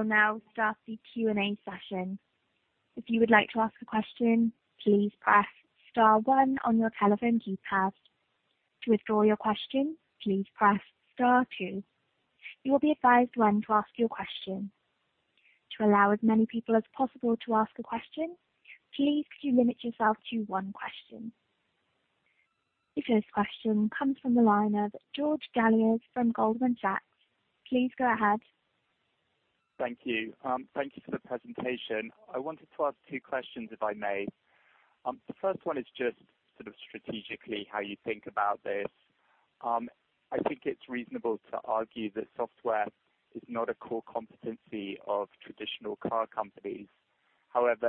We will now start the Q&A session. If you would like to ask a question, please press star one on your telephone keypad. To withdraw your question, please press star two. You will be advised when to ask your question. To allow as many people as possible to ask a question, please could you limit yourself to one question? The first question comes from the line of George Galliers from Goldman Sachs. Please go ahead. Thank you. Thank you for the presentation. I wanted to ask two questions, if I may. The first one is strategically how you think about this. I think it's reasonable to argue that software is not a core competency of traditional car companies.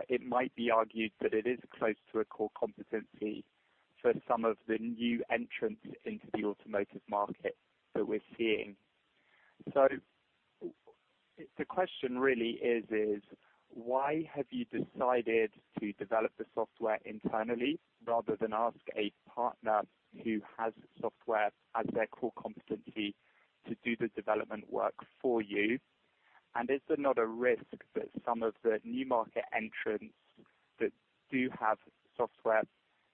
It might be argued that it is close to a core competency for some of the new entrants into the automotive market that we're seeing. The question really is, why have you decided to develop the software internally rather than ask a partner who has software as their core competency to do the development work for you? Is there not a risk that some of the new market entrants that do have software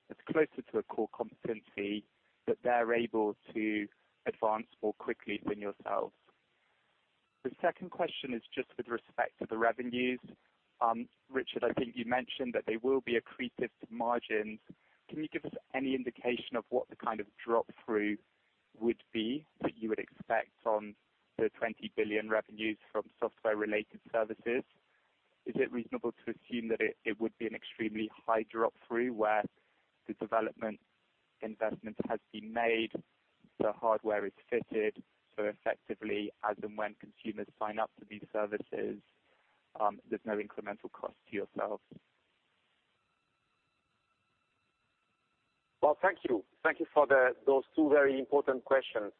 that's closer to a core competency, that they're able to advance more quickly than yourselves? The second question is with respect to the revenues. Richard, I think you mentioned that they will be accretive to margins. Can you give us any indication of what the kind of drop-through would be that you would expect on the 20 billion revenues from software-related services? Is it reasonable to assume that it would be an extremely high drop-through, where the development investment has been made, the hardware is fitted, so effectively, as and when consumers sign up to these services, there's no incremental cost to yourselves? Thank you. Thank you for those two very important questions.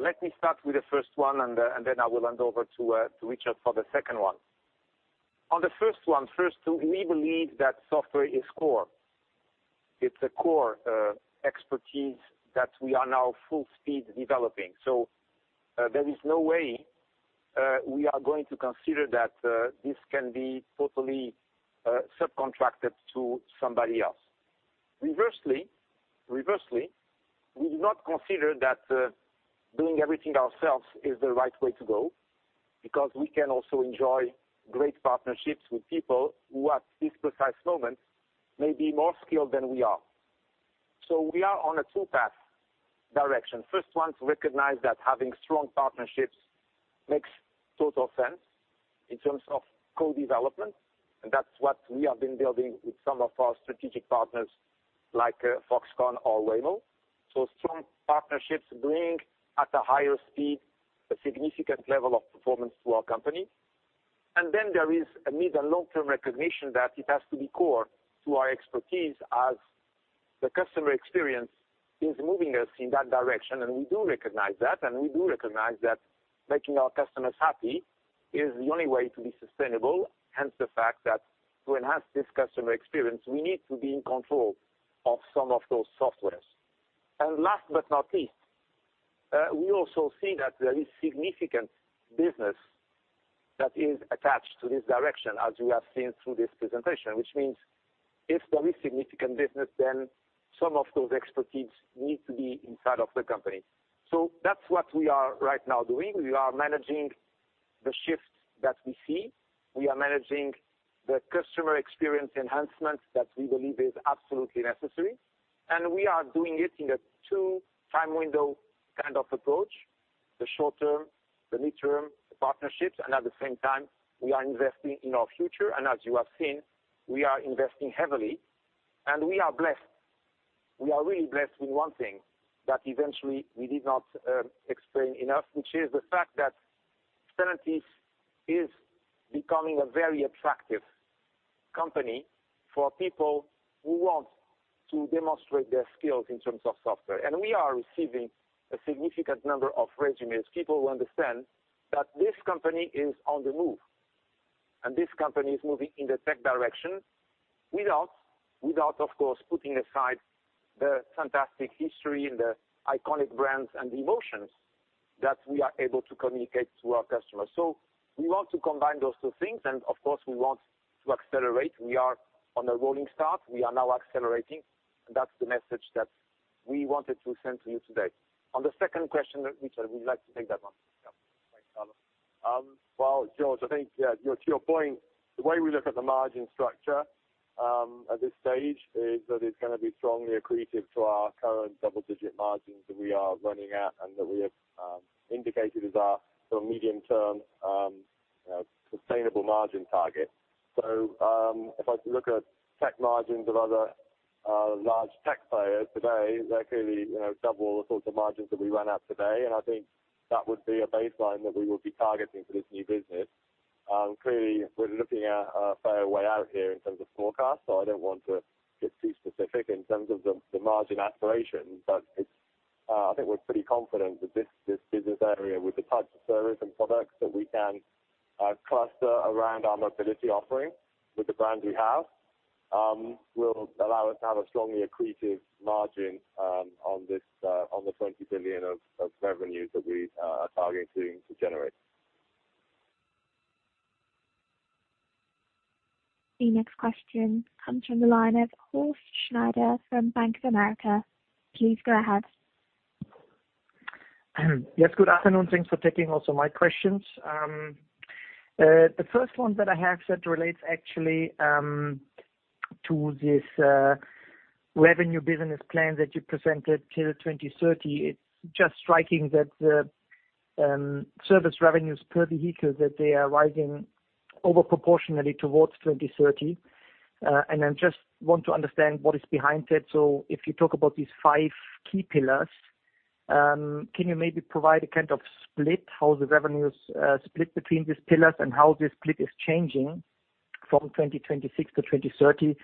Let me start with the first one, and then I will hand over to Richard for the second one. On the first one, we believe that software is core. It's a core expertise that we are now full speed developing. There is no way we are going to consider that this can be totally subcontracted to somebody else. Reversely, we do not consider that doing everything ourselves is the right way to go, because we can also enjoy great partnerships with people who, at this precise moment, may be more skilled than we are. We are on a two-path direction. First one, to recognize that having strong partnerships makes total sense in terms of co-development, and that's what we have been building with some of our strategic partners like Foxconn or Waymo. Strong partnerships bring, at a higher speed, a significant level of performance to our company. There is a mid- and long-term recognition that it has to be core to our expertise as the customer experience is moving us in that direction, and we do recognize that, and we do recognize that making our customers happy is the only way to be sustainable, hence the fact that to enhance this customer experience, we need to be in control of some of those softwares. Last but not least, we also see that there is significant business that is attached to this direction, as you have seen through this presentation, which means if there is significant business, then some of those expertise need to be inside of the company. That's what we are right now doing. We are managing the shifts that we see. We are managing the customer experience enhancements that we believe is absolutely necessary, and we are doing it in a two-time window kind of approach, the short-term, the mid-term, the partnerships, and at the same time, we are investing in our future. As you have seen, we are investing heavily, and we are blessed. We are really blessed with one thing that eventually we did not explain enough, which is the fact that Stellantis is becoming a very attractive company for people who want to demonstrate their skills in terms of software. We are receiving a significant number of resumes. People who understand that this company is on the move, and this company is moving in the tech direction Without, of course, putting aside the fantastic history and the iconic brands and emotions that we are able to communicate to our customers. We want to combine those two things, and of course, we want to accelerate. We are on a rolling start. We are now accelerating, and that's the message that we wanted to send to you today. On the second question, Richard, would you like to take that one? Yeah. Thanks, Carlos. Well, George, I think to your point, the way we look at the margin structure, at this stage, is that it's going to be strongly accretive to our current double-digit margins that we are running at and that we have indicated as our sort of medium-term sustainable margin target. If I look at tech margins of other large tech players today, they're clearly double the sorts of margins that we run at today. I think that would be a baseline that we would be targeting for this new business. Clearly, we're looking at a fair way out here in terms of forecast. I don't want to get too specific in terms of the margin aspiration, but I think we're pretty confident that this business area with the types of service and products that we can cluster around our mobility offering with the brand we have, will allow us to have a strongly accretive margin on the 20 billion of revenue that we are targeting to generate. The next question comes from the line of Horst Schneider from Bank of America. Please go ahead. Yes, good afternoon. Thanks for taking also my questions. The first one that I have that relates actually to this revenue business plan that you presented till 2030. It's just striking that the service revenues per vehicle, that they are rising over proportionally towards 2030. I just want to understand what is behind it. If you talk about these five key pillars, can you maybe provide a kind of split, how the revenues split between these pillars and how this split is changing from 2026 to 2030? Is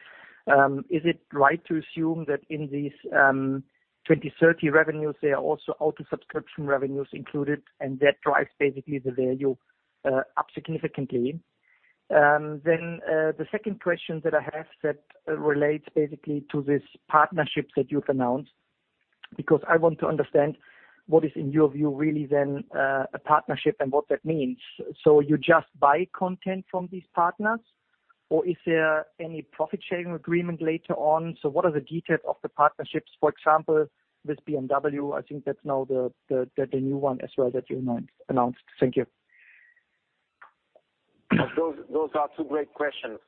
it right to assume that in these 2030 revenues, there are also auto subscription revenues included and that drives basically the value up significantly? The second question that I have that relates basically to this partnership that you've announced, because I want to understand what is, in your view, really then a partnership and what that means. You just buy content from these partners, or is there any profit-sharing agreement later on? What are the details of the partnerships, for example, with BMW? I think that's now the new one as well that you announced. Thank you. Those are two great questions.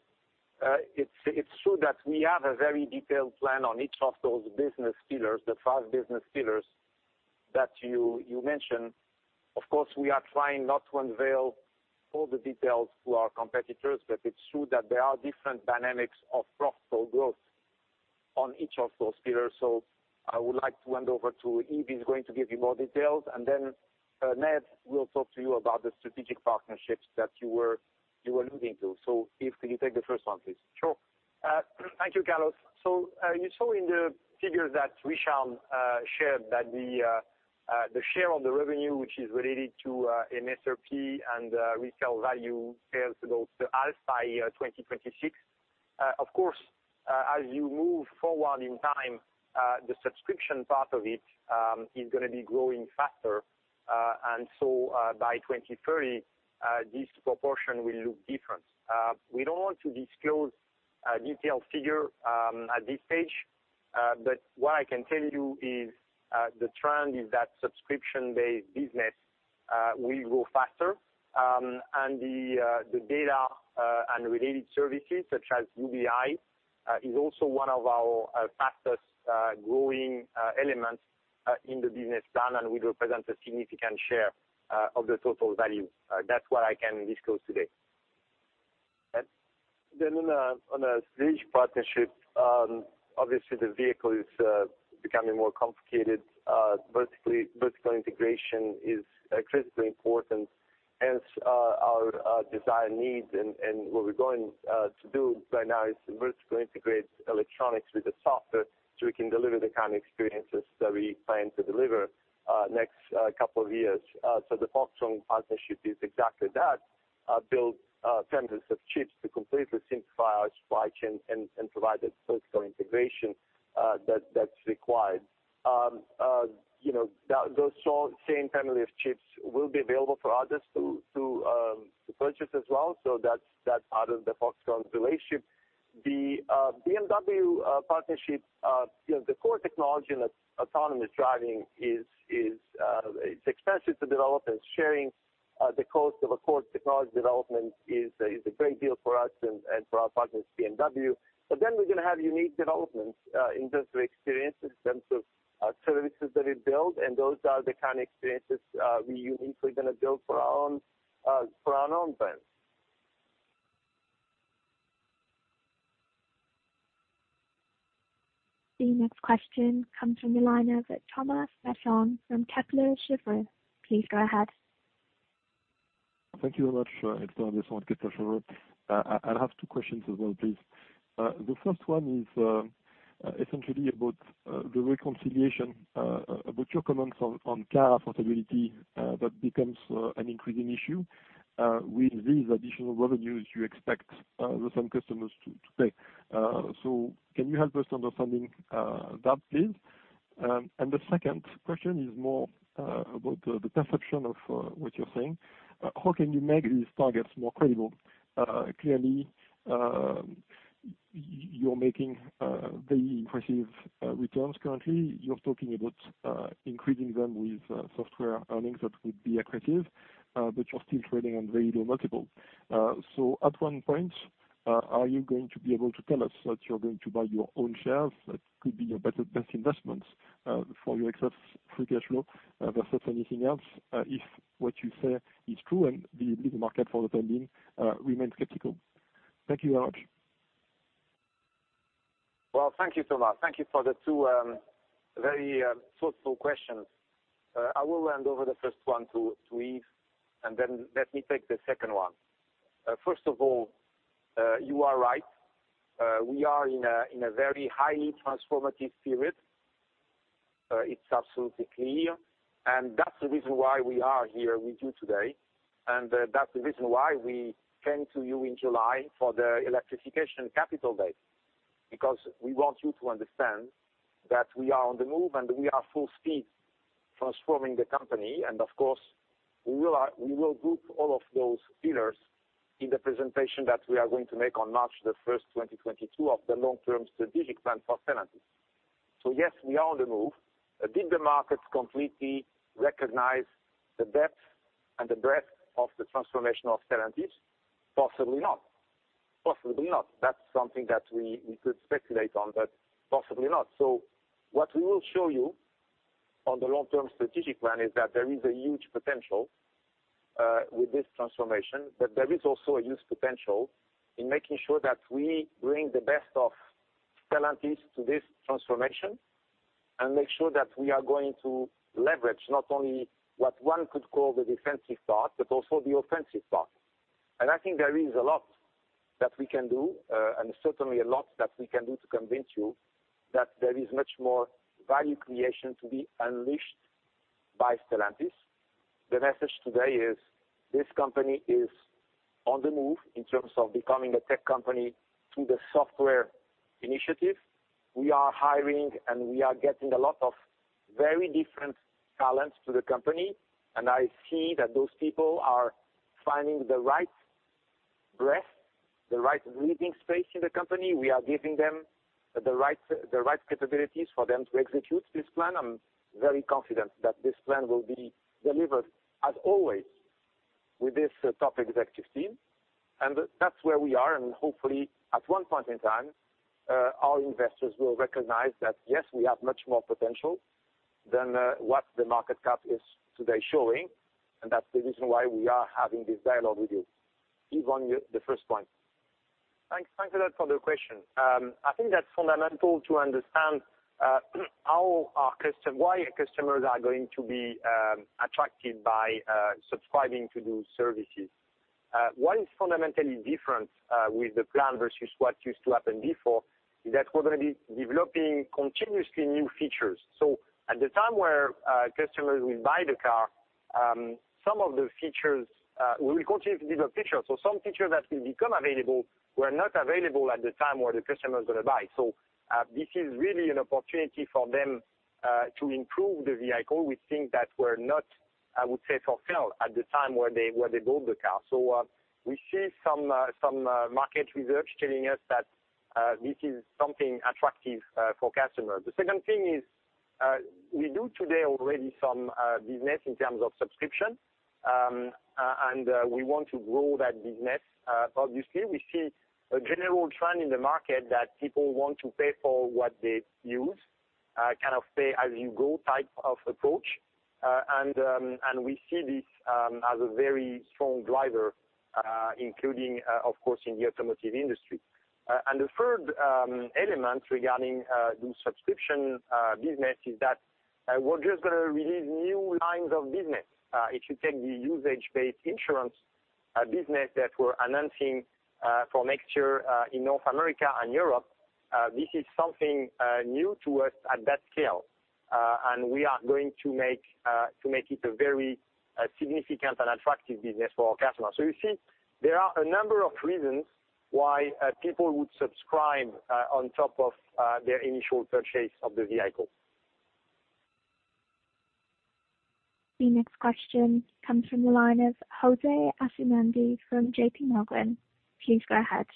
It's true that we have a very detailed plan on each of those business pillars, the five business pillars that you mentioned. Of course, we are trying not to unveil all the details to our competitors, but it's true that there are different dynamics of profitable growth on each of those pillars. I would like to hand over to Yves. He's going to give you more details, Ned will talk to you about the strategic partnerships that you were alluding to. Yves, can you take the first one, please? Sure. Thank you, Carlos. You saw in the figures that Richard shared that the share of the revenue, which is related to MSRP and retail value, fails to go to after 2026. Of course, as you move forward in time, the subscription part of it, is going to be growing faster. By 2030, this proportion will look different. We don't want to disclose a detailed figure at this stage. What I can tell you is, the trend is that subscription-based business will grow faster. The data, and related services such as UBI, is also one of our fastest-growing elements in the business plan and will represent a significant share of the total value. That's what I can disclose today. On a strategic partnership, obviously the vehicle is becoming more complicated. Vertical integration is critically important, hence our desired needs. What we're going to do right now is vertically integrate electronics with the software so we can deliver the kind of experiences that we plan to deliver next couple of years. The Foxconn partnership is exactly that, build families of chips to completely simplify our supply chain and provide the vertical integration that's required. Those same family of chips will be available for others to purchase as well, that's part of the Foxconn relationship. The BMW partnership, the core technology in autonomous driving is expensive to develop, sharing the cost of a core technology development is a great deal for us and for our partners, BMW. We're going to have unique developments, in terms of experiences, in terms of services that we build, those are the kind of experiences we uniquely are going to build for our own brands. The next question comes from the line of Thomas Pichon from Kepler Cheuvreux. Please go ahead. Thank you very much. It's Thomas Pichon, Kepler Cheuvreux. I have two questions as well, please. Essentially about the reconciliation, about your comments on car affordability that becomes an increasing issue with these additional revenues you expect the same customers to pay. Can you help us understanding that, please? The second question is more about the perception of what you're saying. How can you make these targets more credible? Clearly, you're making very impressive returns currently. You're talking about increasing them with software earnings that would be accretive, you're still trading on very low multiple. At what point are you going to be able to tell us that you're going to buy your own shares? That could be your best investments for your excess free cash flow versus anything else, if what you say is true and the market for the time being, remains skeptical. Thank you very much. Well, thank you so much. Thank you for the two very thoughtful questions. I will hand over the first one to Yves, then let me take the second one. First of all, you are right. We are in a very highly transformative period. It's absolutely clear, that's the reason why we are here with you today. That's the reason why we came to you in July for the electrification Capital Day. We want you to understand that we are on the move, we are full speed transforming the company, of course, we will group all of those pillars in the presentation that we are going to make on March 1st, 2022, of the long-term strategic plan for Stellantis. Yes, we are on the move. Did the markets completely recognize the depth and the breadth of the transformation of Stellantis? Possibly not. That's something that we could speculate on, but possibly not. What we will show you on the long-term strategic plan is that there is a huge potential, with this transformation, but there is also a huge potential in making sure that we bring the best of Stellantis to this transformation. Make sure that we are going to leverage not only what one could call the defensive part, but also the offensive part. I think there is a lot that we can do, and certainly a lot that we can do to convince you that there is much more value creation to be unleashed by Stellantis. The message today is, this company is on the move in terms of becoming a tech company through the software initiative. We are hiring, we are getting a lot of very different talents to the company, and I see that those people are finding the right breadth, the right breathing space in the company. We are giving them the right capabilities for them to execute this plan. I'm very confident that this plan will be delivered as always with this top executive team, that's where we are. Hopefully at one point in time, our investors will recognize that, yes, we have much more potential than what the market cap is today showing, and that's the reason why we are having this dialogue with you. Yves, on the first point. Thanks a lot for the question. I think that's fundamental to understand why customers are going to be attracted by subscribing to those services. One fundamentally different with the plan versus what used to happen before, is that we're going to be developing continuously new features. At the time where customers will buy the car, we will continue to develop features. Some features that will become available were not available at the time where the customer is going to buy. This is really an opportunity for them, to improve the vehicle with things that were not, I would say, fulfilled at the time where they build the car. We see some market research telling us that this is something attractive for customers. The second thing is, we do today already some business in terms of subscription, we want to grow that business. Obviously, we see a general trend in the market that people want to pay for what they use, kind of pay-as-you-go type of approach. We see this as a very strong driver, including, of course, in the automotive industry. The third element regarding the subscription business is that we're just going to release new lines of business. If you take the usage-based insurance business that we're announcing for next year in North America and Europe, this is something new to us at that scale. We are going to make it a very significant and attractive business for our customers. You see there are a number of reasons why people would subscribe on top of their initial purchase of the vehicle. The next question comes from the line of Jose Asumendi from J.P. Morgan. Please go ahead.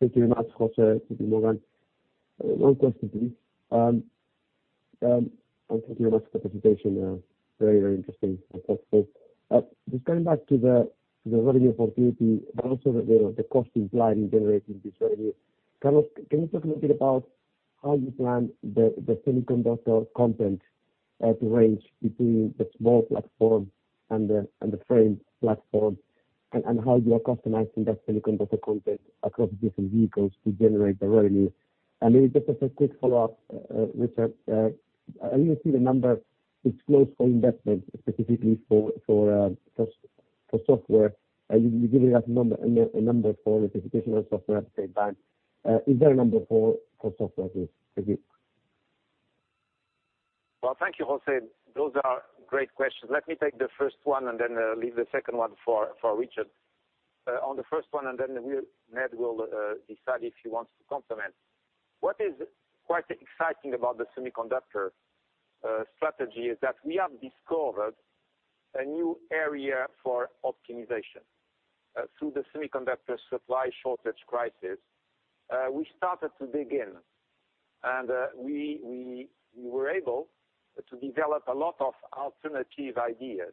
Thank you very much, Jose, J.P. Morgan. One question, please. Thank you very much for the presentation. Very interesting and thoughtful. Just coming back to the revenue opportunity, but also the cost implied in generating this revenue. Can you talk a little bit about how you plan the semiconductor content at range between the STLA Small platform and the STLA Frame platform, and how you are customizing that semiconductor content across different vehicles to generate the revenue? Maybe just as a quick follow-up, Richard, I didn't see the number disclosed for investment specifically for software. For software, you're giving us a number for electrification and software at the same time. Is there a number for software, please? Thank you. Well, thank you, Jose. Those are great questions. Let me take the first one, then leave the second one for Richard. On the first one, then Ned will decide if he wants to complement. What is quite exciting about the semiconductor strategy is that we have discovered a new area for optimization. Through the semiconductor supply shortage crisis, we started to dig in, we were able to develop a lot of alternative ideas,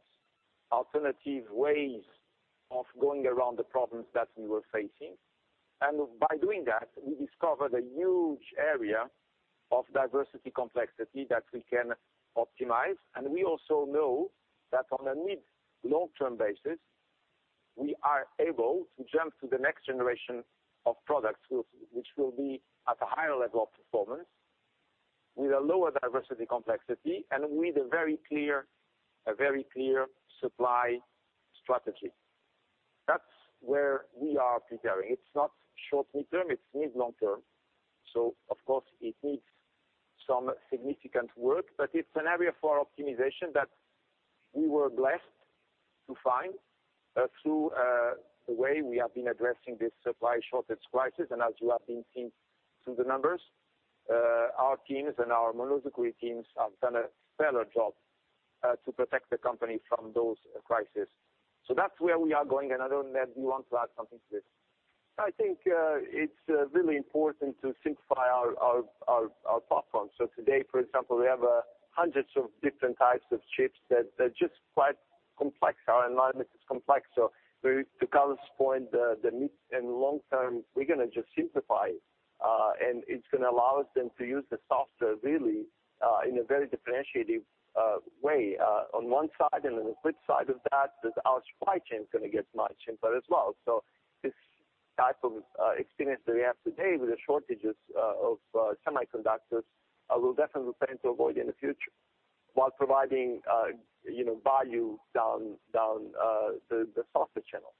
alternative ways of going around the problems that we were facing. By doing that, we discovered a huge area of diversity complexity that we can optimize. We also know that on a mid-long term basis, we are able to jump to the next generation of products, which will be at a higher level of performance, with a lower diversity complexity, with a very clear supply strategy. That's where we are preparing. It's not short-midterm, it's mid-long term. Of course, it needs some significant work, but it's an area for optimization that we were blessed to find, through the way we have been addressing this supply shortage crisis. As you have been seeing through the numbers, our teams and our monozukuri teams have done a stellar job, to protect the company from those crisis. That's where we are going. I don't know, Ned, do you want to add something to this? It's really important to simplify our platform. Today, for example, we have hundreds of different types of chips that are just quite complex. Our environment is complex, to Carlos' point, the mid and long term, we're going to just simplify, and it's going to allow us then to use the software really, in a very differentiative way. On one side, on the flip side of that is our supply chain is going to get much simpler as well. This type of experience that we have today with the shortages of semiconductors, we'll definitely plan to avoid in the future while providing value down the software channel.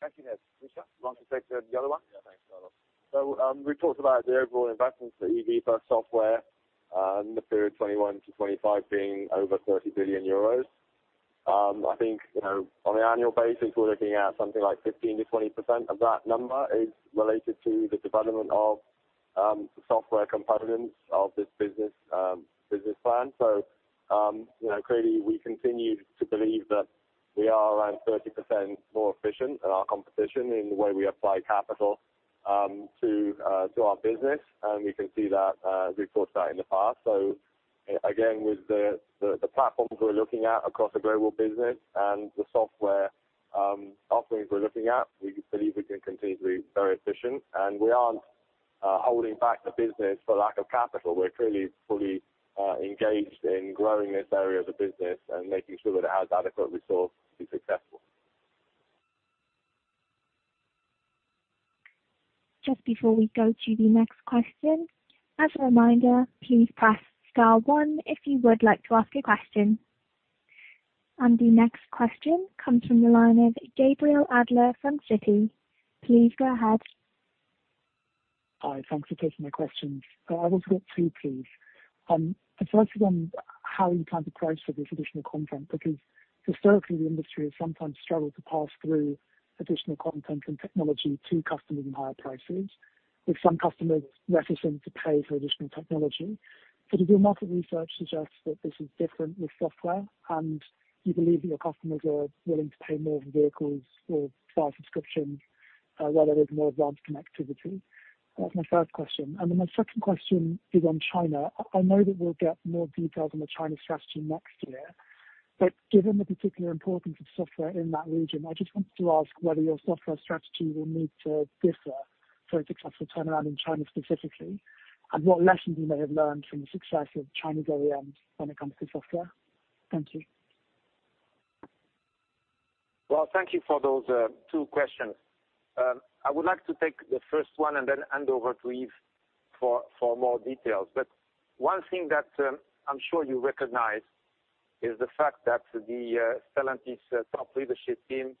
Thank you, Ned. Richard, you want to take the other one? Thanks, Carlos. We talked about the overall investments that EV plus software, in the period 2021 to 2025 being over 30 billion euros. I think, on an annual basis, we're looking at something like 15%-20% of that number is related to the development of software components of this business plan. Clearly, we continue to believe that we are around 30% more efficient than our competition in the way we apply capital to our business. We can see that, we've talked about in the past. Again, with the platforms we're looking at across the global business and the software offerings we're looking at, we believe we can continue to be very efficient. We aren't holding back the business for lack of capital. We're clearly fully engaged in growing this area of the business and making sure that it has adequate resource to be successful. Just before we go to the next question, as a reminder, please press star one if you would like to ask a question. The next question comes from the line of Gabriel Adler from Citi. Please go ahead. Hi. Thanks for taking my questions. I've got two, please. The first one, how you plan to price for this additional content? Historically, the industry has sometimes struggled to pass through additional content and technology to customers in higher prices, with some customers reluctant to pay for additional technology. Your market research suggests that this is different with software, and you believe that your customers are willing to pay more for vehicles or via subscription, where there is more advanced connectivity. That's my first question. My second question is on China. I know that we'll get more details on the China strategy next year, given the particular importance of software in that region, I just wanted to ask whether your software strategy will need to differ for a successful turnaround in China specifically, what lessons you may have learned from the success of Chinese OEM when it comes to software. Thank you. Thank you for those two questions. I would like to take the first one, hand over to Yves for more details. One thing that I'm sure you recognize is the fact that the Stellantis top leadership team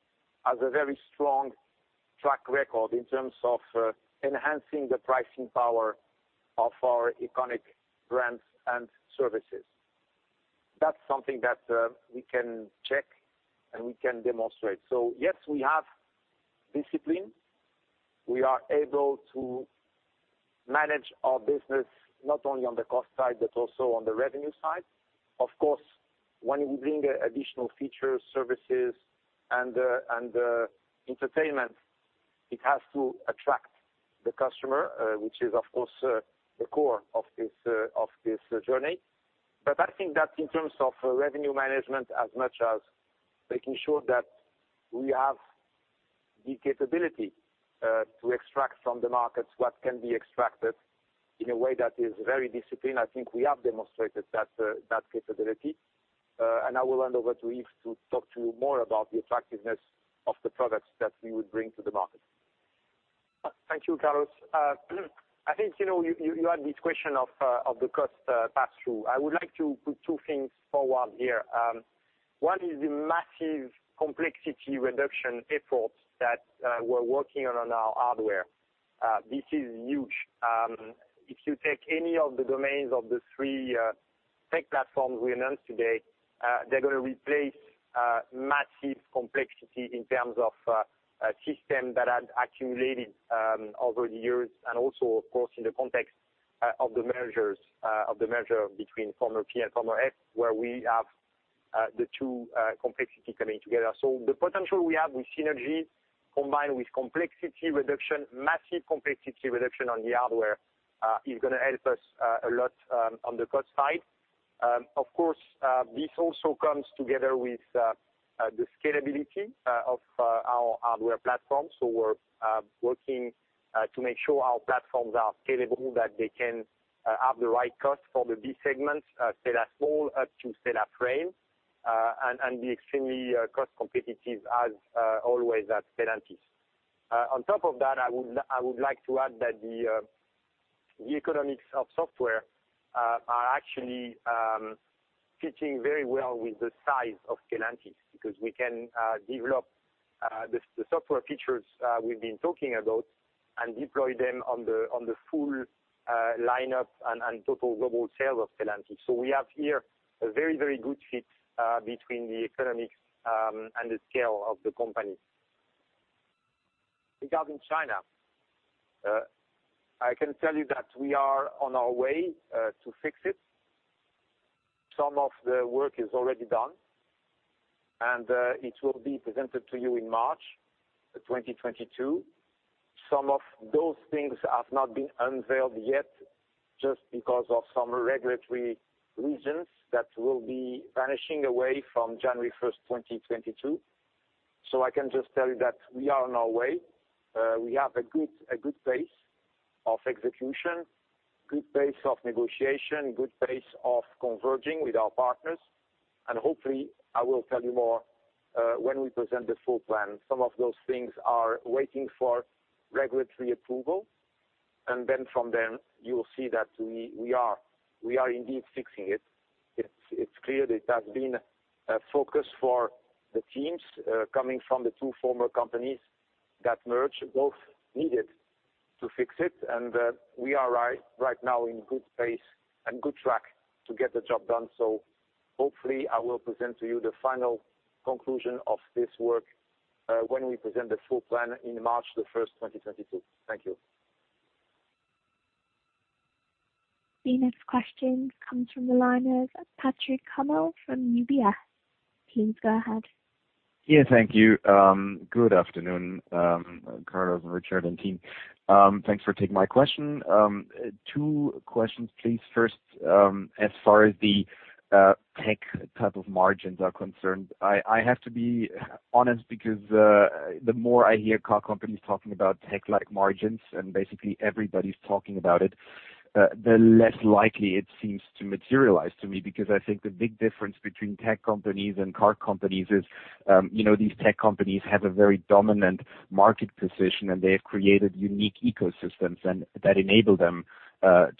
has a very strong track record in terms of enhancing the pricing power of our iconic brands and services. That's something that we can check, and we can demonstrate. Yes, we have discipline. We are able to manage our business, not only on the cost side, also on the revenue side. Of course, when we bring additional features, services, and entertainment, it has to attract the customer, which is, of course, the core of this journey. I think that in terms of revenue management, as much as making sure that we have the capability to extract from the markets what can be extracted in a way that is very disciplined, I think we have demonstrated that capability. I will hand over to Yves to talk to you more about the attractiveness of the products that we would bring to the market. Thank you, Carlos. I think you had this question of the cost pass-through. I would like to put two things forward here. One is the massive complexity reduction efforts that we're working on our hardware. This is huge. If you take any of the domains of the three tech platforms we announced today, they're going to replace massive complexity in terms of system that had accumulated over the years, and also, of course, in the context of the merger between former P and former F, where we have the two complexity coming together. The potential we have with synergy, combined with complexity reduction, massive complexity reduction on the hardware, is going to help us a lot on the cost side. Of course, this also comes together with the scalability of our hardware platform. We're working to make sure our platforms are scalable, that they can have the right cost for the B segment, STLA Small up to STLA Frame, and be extremely cost competitive as always as Stellantis. On top of that, I would like to add that the economics of software are actually fitting very well with the size of Stellantis, because we can develop the software features we've been talking about and deploy them on the full lineup and total global sales of Stellantis. We have here a very, very good fit between the economics and the scale of the company. Regarding China, I can tell you that we are on our way to fix it. Some of the work is already done, and it will be presented to you in March 2022. Some of those things have not been unveiled yet, just because of some regulatory reasons that will be vanishing away from January 1st, 2022. I can just tell you that we are on our way. We have a good pace of execution, good pace of negotiation, good pace of converging with our partners. Hopefully, I will tell you more, when we present the full plan. Some of those things are waiting for regulatory approval. Then from then, you will see that we are indeed fixing it. It's clear that has been a focus for the teams, coming from the two former companies that merge, both needed to fix it, and we are right now in good pace and good track to get the job done. Hopefully, I will present to you the final conclusion of this work, when we present the full plan in March the 1st, 2022. Thank you. The next question comes from the line of Patrick Hummel from UBS. Please go ahead. Yeah, thank you. Good afternoon, Carlos and Richard and team. Thanks for taking my question. Two questions, please. First, as far as the tech-type of margins are concerned, I have to be honest because the more I hear car companies talking about tech-like margins, basically everybody's talking about it, the less likely it seems to materialize to me, because I think the big difference between tech companies and car companies is these tech companies have a very dominant market position, and they've created unique ecosystems that enable them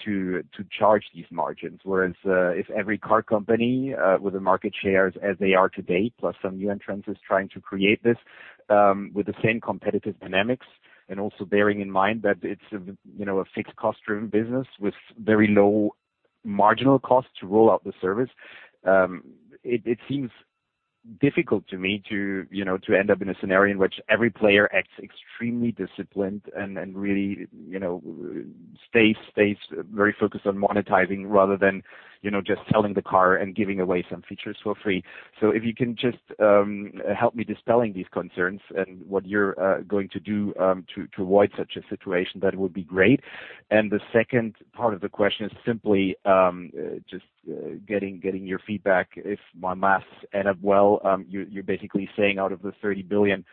to charge these margins. Whereas if every car company with the market shares as they are today, plus some new entrants, is trying to create this, with the same competitive dynamics, also bearing in mind that it's a fixed cost-driven business with very low marginal cost to roll out the service, it seems difficult to me to end up in a scenario in which every player acts extremely disciplined and really stays very focused on monetizing rather than just selling the car and giving away some features for free. If you can just help me dispelling these concerns and what you're going to do to avoid such a situation, that would be great. The second part of the question is simply, just getting your feedback, if my math ends up well, you're basically saying out of the 30 billion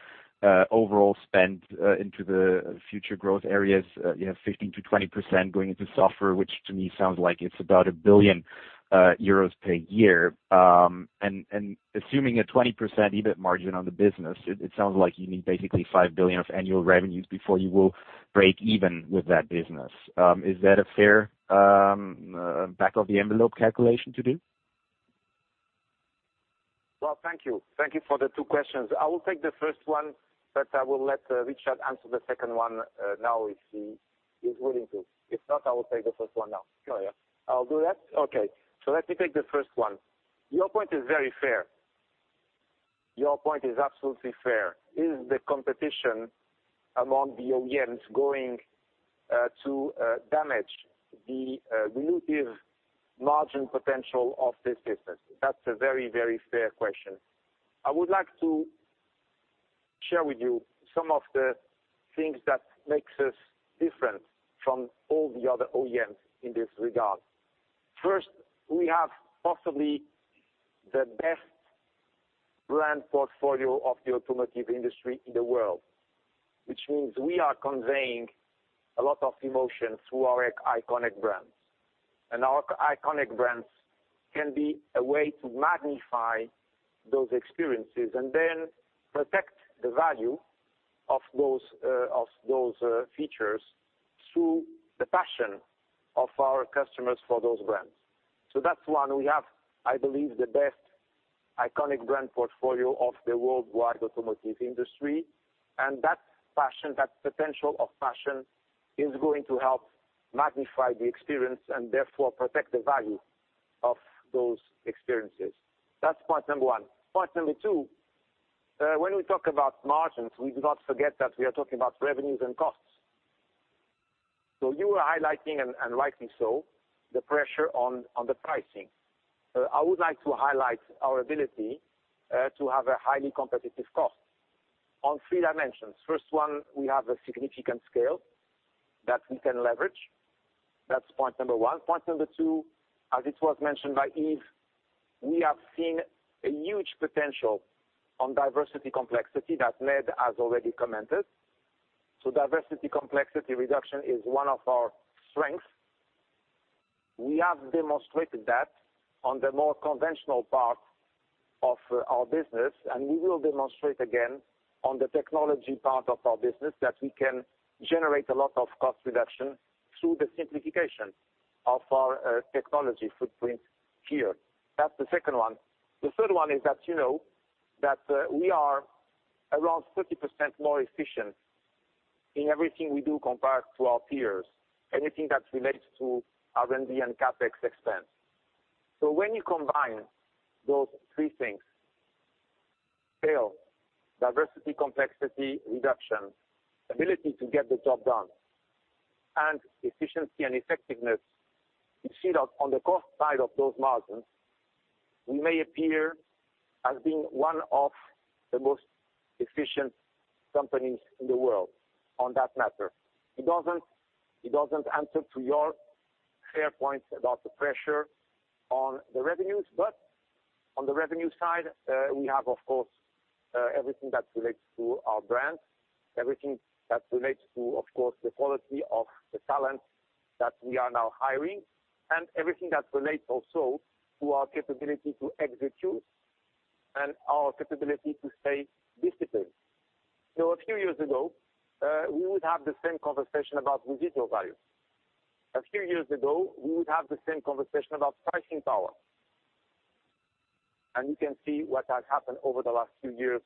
overall spend into the future growth areas, 15%-20% going into software, which to me sounds like it's about 1 billion euros per year. Assuming a 20% EBIT margin on the business, it sounds like you need basically 5 billion of annual revenues before you will break even with that business. Is that a fair back-of-the-envelope calculation to do? Well, thank you. Thank you for the two questions. I will take the first one, but I will let Richard answer the second one, now if he is willing to. If not, I will take the first one now. Sure, yeah. I'll do that? Okay. Let me take the first one. Your point is very fair. Your point is absolutely fair. Is the competition among the OEMs going to damage the lucrative margin potential of this business? That's a very, very fair question. I would like to share with you some of the things that makes us different from all the other OEMs in this regard. First, we have possibly the best brand portfolio of the automotive industry in the world, which means we are conveying a lot of emotion through our iconic brands. Our iconic brands can be a way to magnify those experiences and then protect the value of those features through the passion of our customers for those brands. That's one. We have, I believe, the best iconic brand portfolio of the worldwide automotive industry, and that potential of passion is going to help magnify the experience and therefore protect the value of those experiences. That's point number one. Point number two, when we talk about margins, we do not forget that we are talking about revenues and costs. You were highlighting, and rightly so, the pressure on the pricing. I would like to highlight our ability to have a highly competitive cost on three dimensions. First one, we have a significant scale that we can leverage. That's point number one. Point number two, as it was mentioned by Yves, we have seen a huge potential on diversity complexity that Ned has already commented. Diversity complexity reduction is one of our strengths. We have demonstrated that on the more conventional part of our business, and we will demonstrate again on the technology part of our business that we can generate a lot of cost reduction through the simplification of our technology footprint here. That's the second one. The third one is that we are around 30% more efficient in everything we do compared to our peers, anything that relates to R&D and CapEx expense. When you combine those three things, scale, diversity complexity reduction, ability to get the job done, and efficiency and effectiveness, you see that on the cost side of those margins, we may appear as being one of the most efficient companies in the world on that matter. It doesn't answer to your Faye points about the pressure on the revenues, on the revenue side, we have, of course, everything that relates to our brands, everything that relates to, of course, the quality of the talent that we are now hiring, and everything that relates also to our capability to execute and our capability to stay disciplined. A few years ago, we would have the same conversation about residual value. A few years ago, we would have the same conversation about pricing power. You can see what has happened over the last few years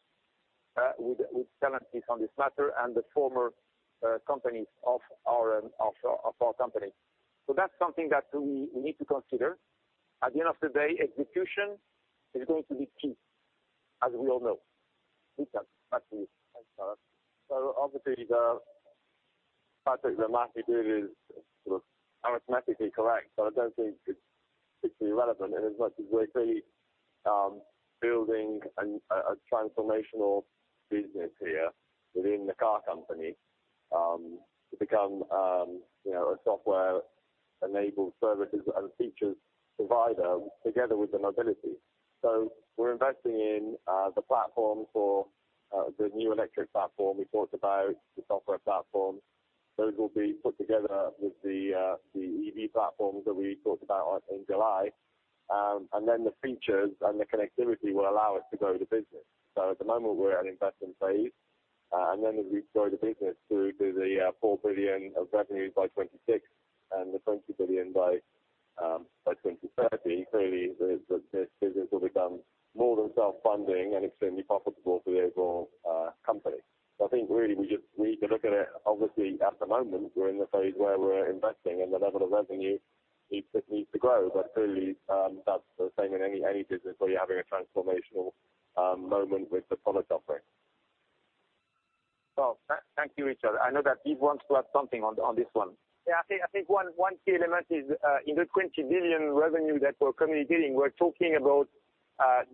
with Stellantis on this matter and the former companies of our company. That's something that we need to consider. At the end of the day, execution is going to be key, as we all know. Richard, back to you. Thanks, Carlos. Obviously, the part that Matthew did is arithmetically correct, I don't think it's irrelevant inasmuch as we're clearly building a transformational business here within the car company, to become a software-enabled services and features provider together with the mobility. We're investing in the platform for the new electric platform. We talked about the software platform. Those will be put together with the EV platforms that we talked about in July. Then the features and the connectivity will allow us to grow the business. At the moment, we're at investment phase, and then as we grow the business through to the 4 billion of revenues by 2026 and the 20 billion by 2030, clearly, this business will become more than self-funding and extremely profitable for the overall company. I think really we need to look at it, obviously, at the moment, we're in the phase where we're investing, and the level of revenue needs to grow. Clearly, that's the same in any business where you're having a transformational moment with the product offering. Thank you, Richard. I know that Yves wants to add something on this one. I think one key element is, in the 20 billion revenue that we're communicating, we're talking about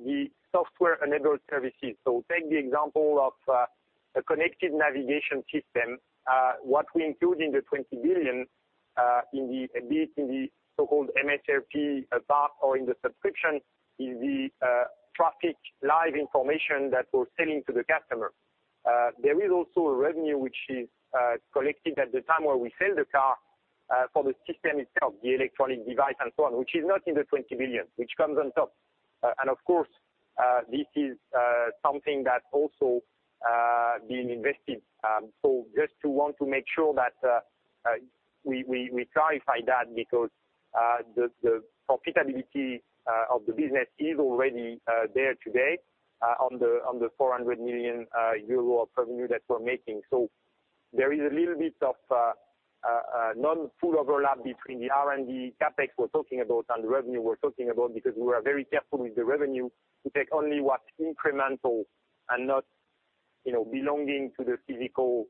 the software-enabled services. Take the example of a connected navigation system. What we include in the 20 billion, be it in the so-called MSRP part or in the subscription, is the traffic live information that we're selling to the customer. There is also a revenue which is collected at the time when we sell the car, for the system itself, the electronic device and so on, which is not in the 20 billion, which comes on top. Of course, this is something that also being invested. Just to want to make sure that we clarify that because the profitability of the business is already there today on the 400 million euro of revenue that we're making. There is a little bit of non-full overlap between the R&D CapEx we're talking about and the revenue we're talking about, because we are very careful with the revenue to take only what's incremental and not belonging to the physical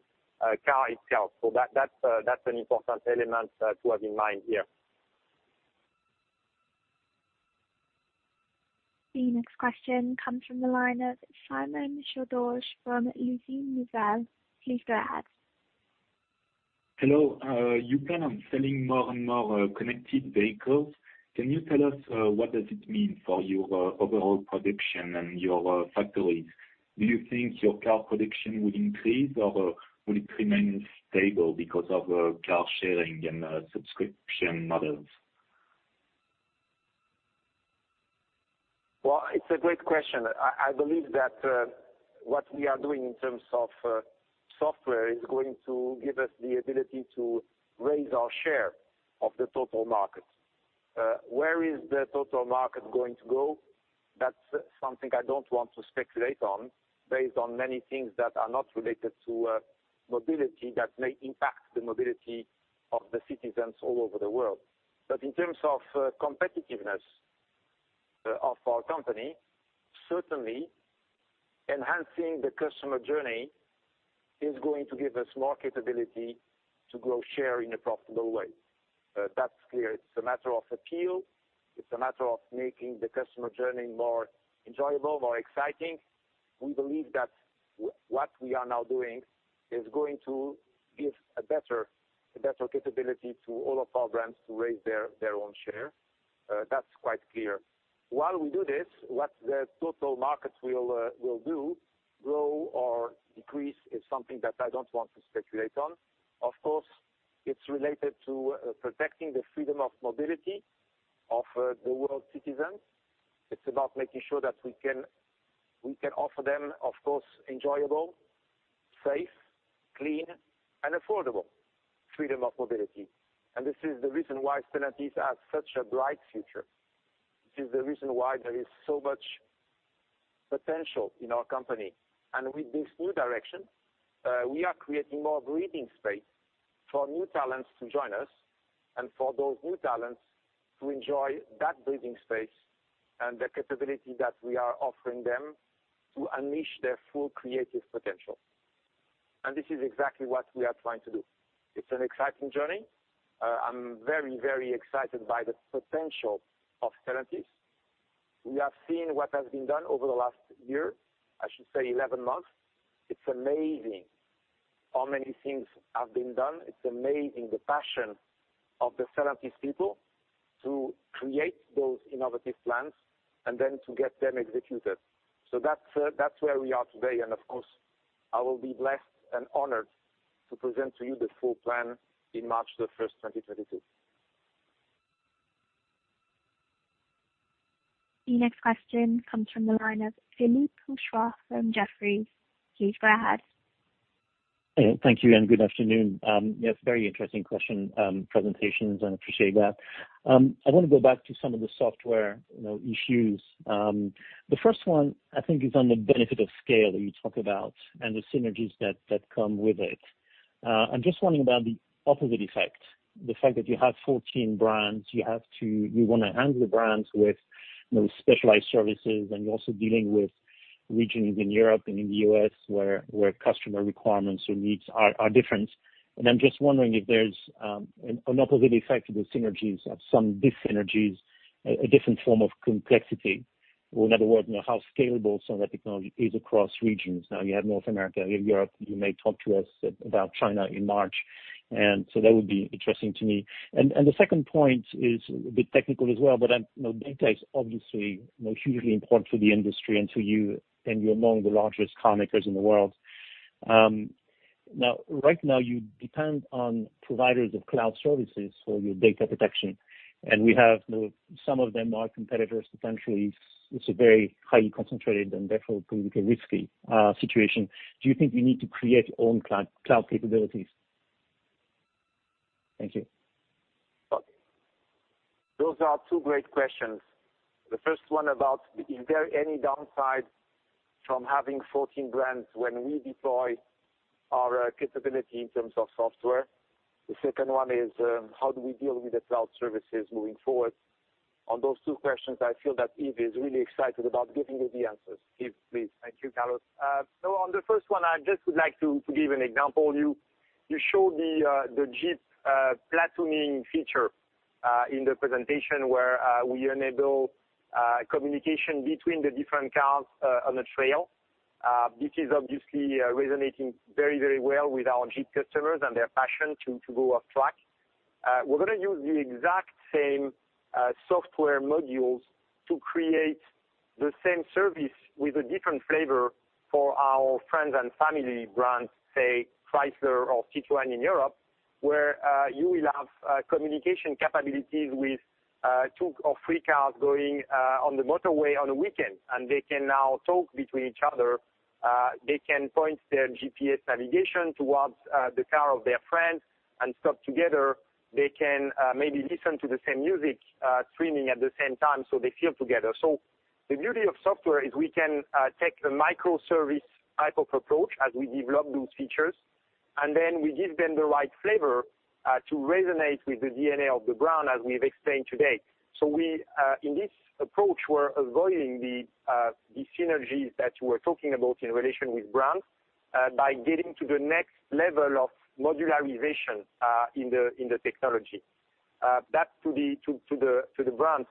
car itself. That's an important element to have in mind here. The next question comes from the line of Simon Chaudhoge from Les Echos. Please go ahead. Hello. You plan on selling more and more connected vehicles. Can you tell us what does it mean for your overall production and your factories? Do you think your car production will increase, or will it remain stable because of car sharing and subscription models? Well, it's a great question. I believe that what we are doing in terms of software is going to give us the ability to raise our share of the total market. Where is the total market going to go? That's something I don't want to speculate on based on many things that are not related to mobility that may impact the mobility of the citizens all over the world. In terms of competitiveness of our company, certainly enhancing the customer journey is going to give us more capability to grow share in a profitable way. That's clear. It's a matter of appeal. It's a matter of making the customer journey more enjoyable, more exciting. We believe that what we are now doing is going to give a better capability to all of our brands to raise their own share. That's quite clear. While we do this, what the total market will do, grow or decrease, is something that I don't want to speculate on. Of course, it's related to protecting the freedom of mobility of the world citizens. It's about making sure that we can offer them, of course, enjoyable, safe, clean, and affordable freedom of mobility. This is the reason why Stellantis has such a bright future. This is the reason why there is so much potential in our company. With this new direction, we are creating more breathing space for new talents to join us, and for those new talents to enjoy that breathing space, and the capability that we are offering them to unleash their full creative potential. This is exactly what we are trying to do. It's an exciting journey. I'm very excited by the potential of Stellantis. We have seen what has been done over the last year, I should say 11 months. It's amazing how many things have been done. It's amazing the passion of the Stellantis people to create those innovative plans and then to get them executed. That's where we are today. Of course, I will be blessed and honored to present to you the full plan on March 1st, 2022. The next question comes from the line of Philippe Houchois from Jefferies. Please go ahead. Thank you, good afternoon. Yes, very interesting question, presentations, I appreciate that. I want to go back to some of the software issues. The first one, I think, is on the benefit of scale that you talk about and the synergies that come with it. I'm just wondering about the opposite effect, the fact that you have 14 brands. You want to handle brands with those specialized services, and you're also dealing with regions in Europe and in the U.S. where customer requirements or needs are different. I'm just wondering if there's an opposite effect to the synergies of some dysenergies, a different form of complexity, or in other words, how scalable some of that technology is across regions. You have North America, you have Europe. You may talk to us about China in March, that would be interesting to me. The second point is a bit technical as well, data is obviously hugely important for the industry and for you're among the largest car makers in the world. Right now, you depend on providers of cloud services for your data protection, and some of them are competitors potentially. It's a very highly concentrated and therefore politically risky situation. Do you think you need to create your own cloud capabilities? Thank you. Those are two great questions. The first one about is there any downside from having 14 brands when we deploy our capability in terms of software. The second one is, how do we deal with the cloud services moving forward? On those two questions, I feel that Yves is really excited about giving you the answers. Yves, please. Thank you, Carlos. On the first one, I just would like to give an example. You showed the Jeep platooning feature in the presentation where we enable communication between the different cars on a trail. This is obviously resonating very well with our Jeep customers and their passion to go off-track. We're going to use the exact same software modules to create the same service with a different flavor for our friends and family brands, say Chrysler or Citroën in Europe, where you will have communication capabilities with two or three cars going on the motorway on a weekend, and they can now talk between each other. They can point their GPS navigation towards the car of their friends and stop together. They can maybe listen to the same music streaming at the same time, so they feel together. The beauty of software is we can take the microservice type of approach as we develop those features, and then we give them the right flavor to resonate with the DNA of the brand, as we've explained today. In this approach, we're avoiding the synergies that you were talking about in relation with brands, by getting to the next level of modularization in the technology. That to the brands.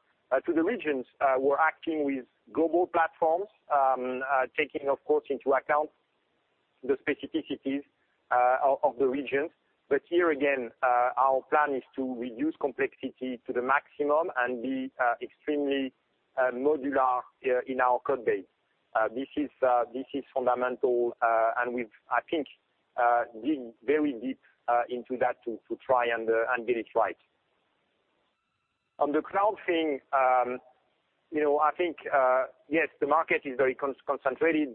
To the regions, we're acting with global platforms, taking, of course, into account the specificities of the regions. Here again, our plan is to reduce complexity to the maximum and be extremely modular in our code base. This is fundamental, and we've, I think, dig very deep into that to try and get it right. On the cloud thing, I think, yes, the market is very concentrated,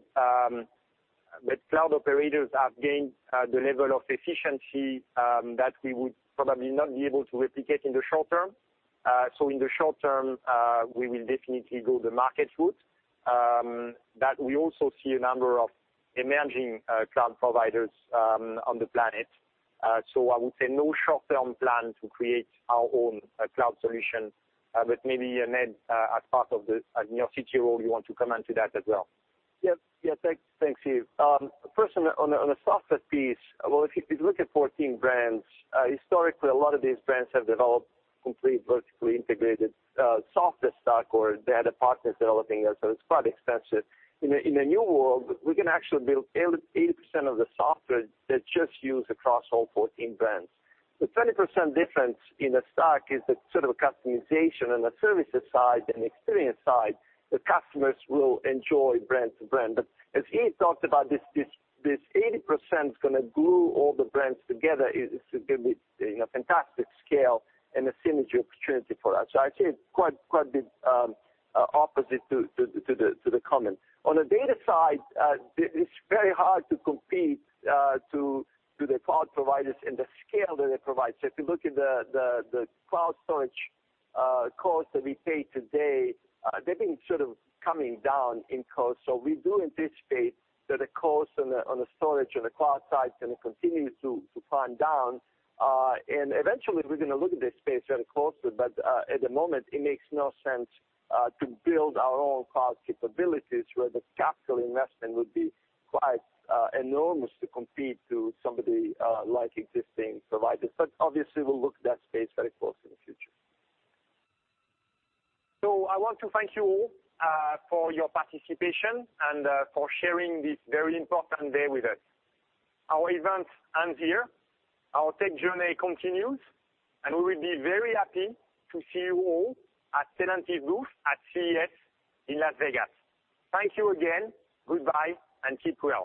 but cloud operators have gained the level of efficiency that we would probably not be able to replicate in the short term. In the short term, we will definitely go the market route, but we also see a number of emerging cloud providers on the planet. I would say no short-term plan to create our own cloud solution. Maybe Ned, as part of the CTO, you want to comment to that as well. Yes. Thanks, Yves. First on the software piece. If you look at 14 brands, historically, a lot of these brands have developed complete vertically integrated software stack, or they had a partner developing it, so it's quite expensive. In the new world, we can actually build 80% of the software that's just used across all 14 brands. The 20% difference in a stack is the sort of customization and the services side and experience side the customers will enjoy brand to brand. As Yves talked about, this 80% is going to glue all the brands together is going to be a fantastic scale and a synergy opportunity for us. I'd say it's quite the opposite to the comment. On the data side, it's very hard to compete to the cloud providers and the scale that it provides. If you look at the cloud storage cost that we pay today, they've been sort of coming down in cost. We do anticipate that the cost on the storage on the cloud side is going to continue to climb down. Eventually, we're going to look at this space very closely. At the moment, it makes no sense to build our own cloud capabilities where the capital investment would be quite enormous to compete to somebody like existing providers. Obviously, we'll look at that space very closely in the future. I want to thank you all for your participation and for sharing this very important day with us. Our event ends here. Our tech journey continues, and we will be very happy to see you all at Stellantis booth at CES in Las Vegas. Thank you again. Goodbye, and keep well.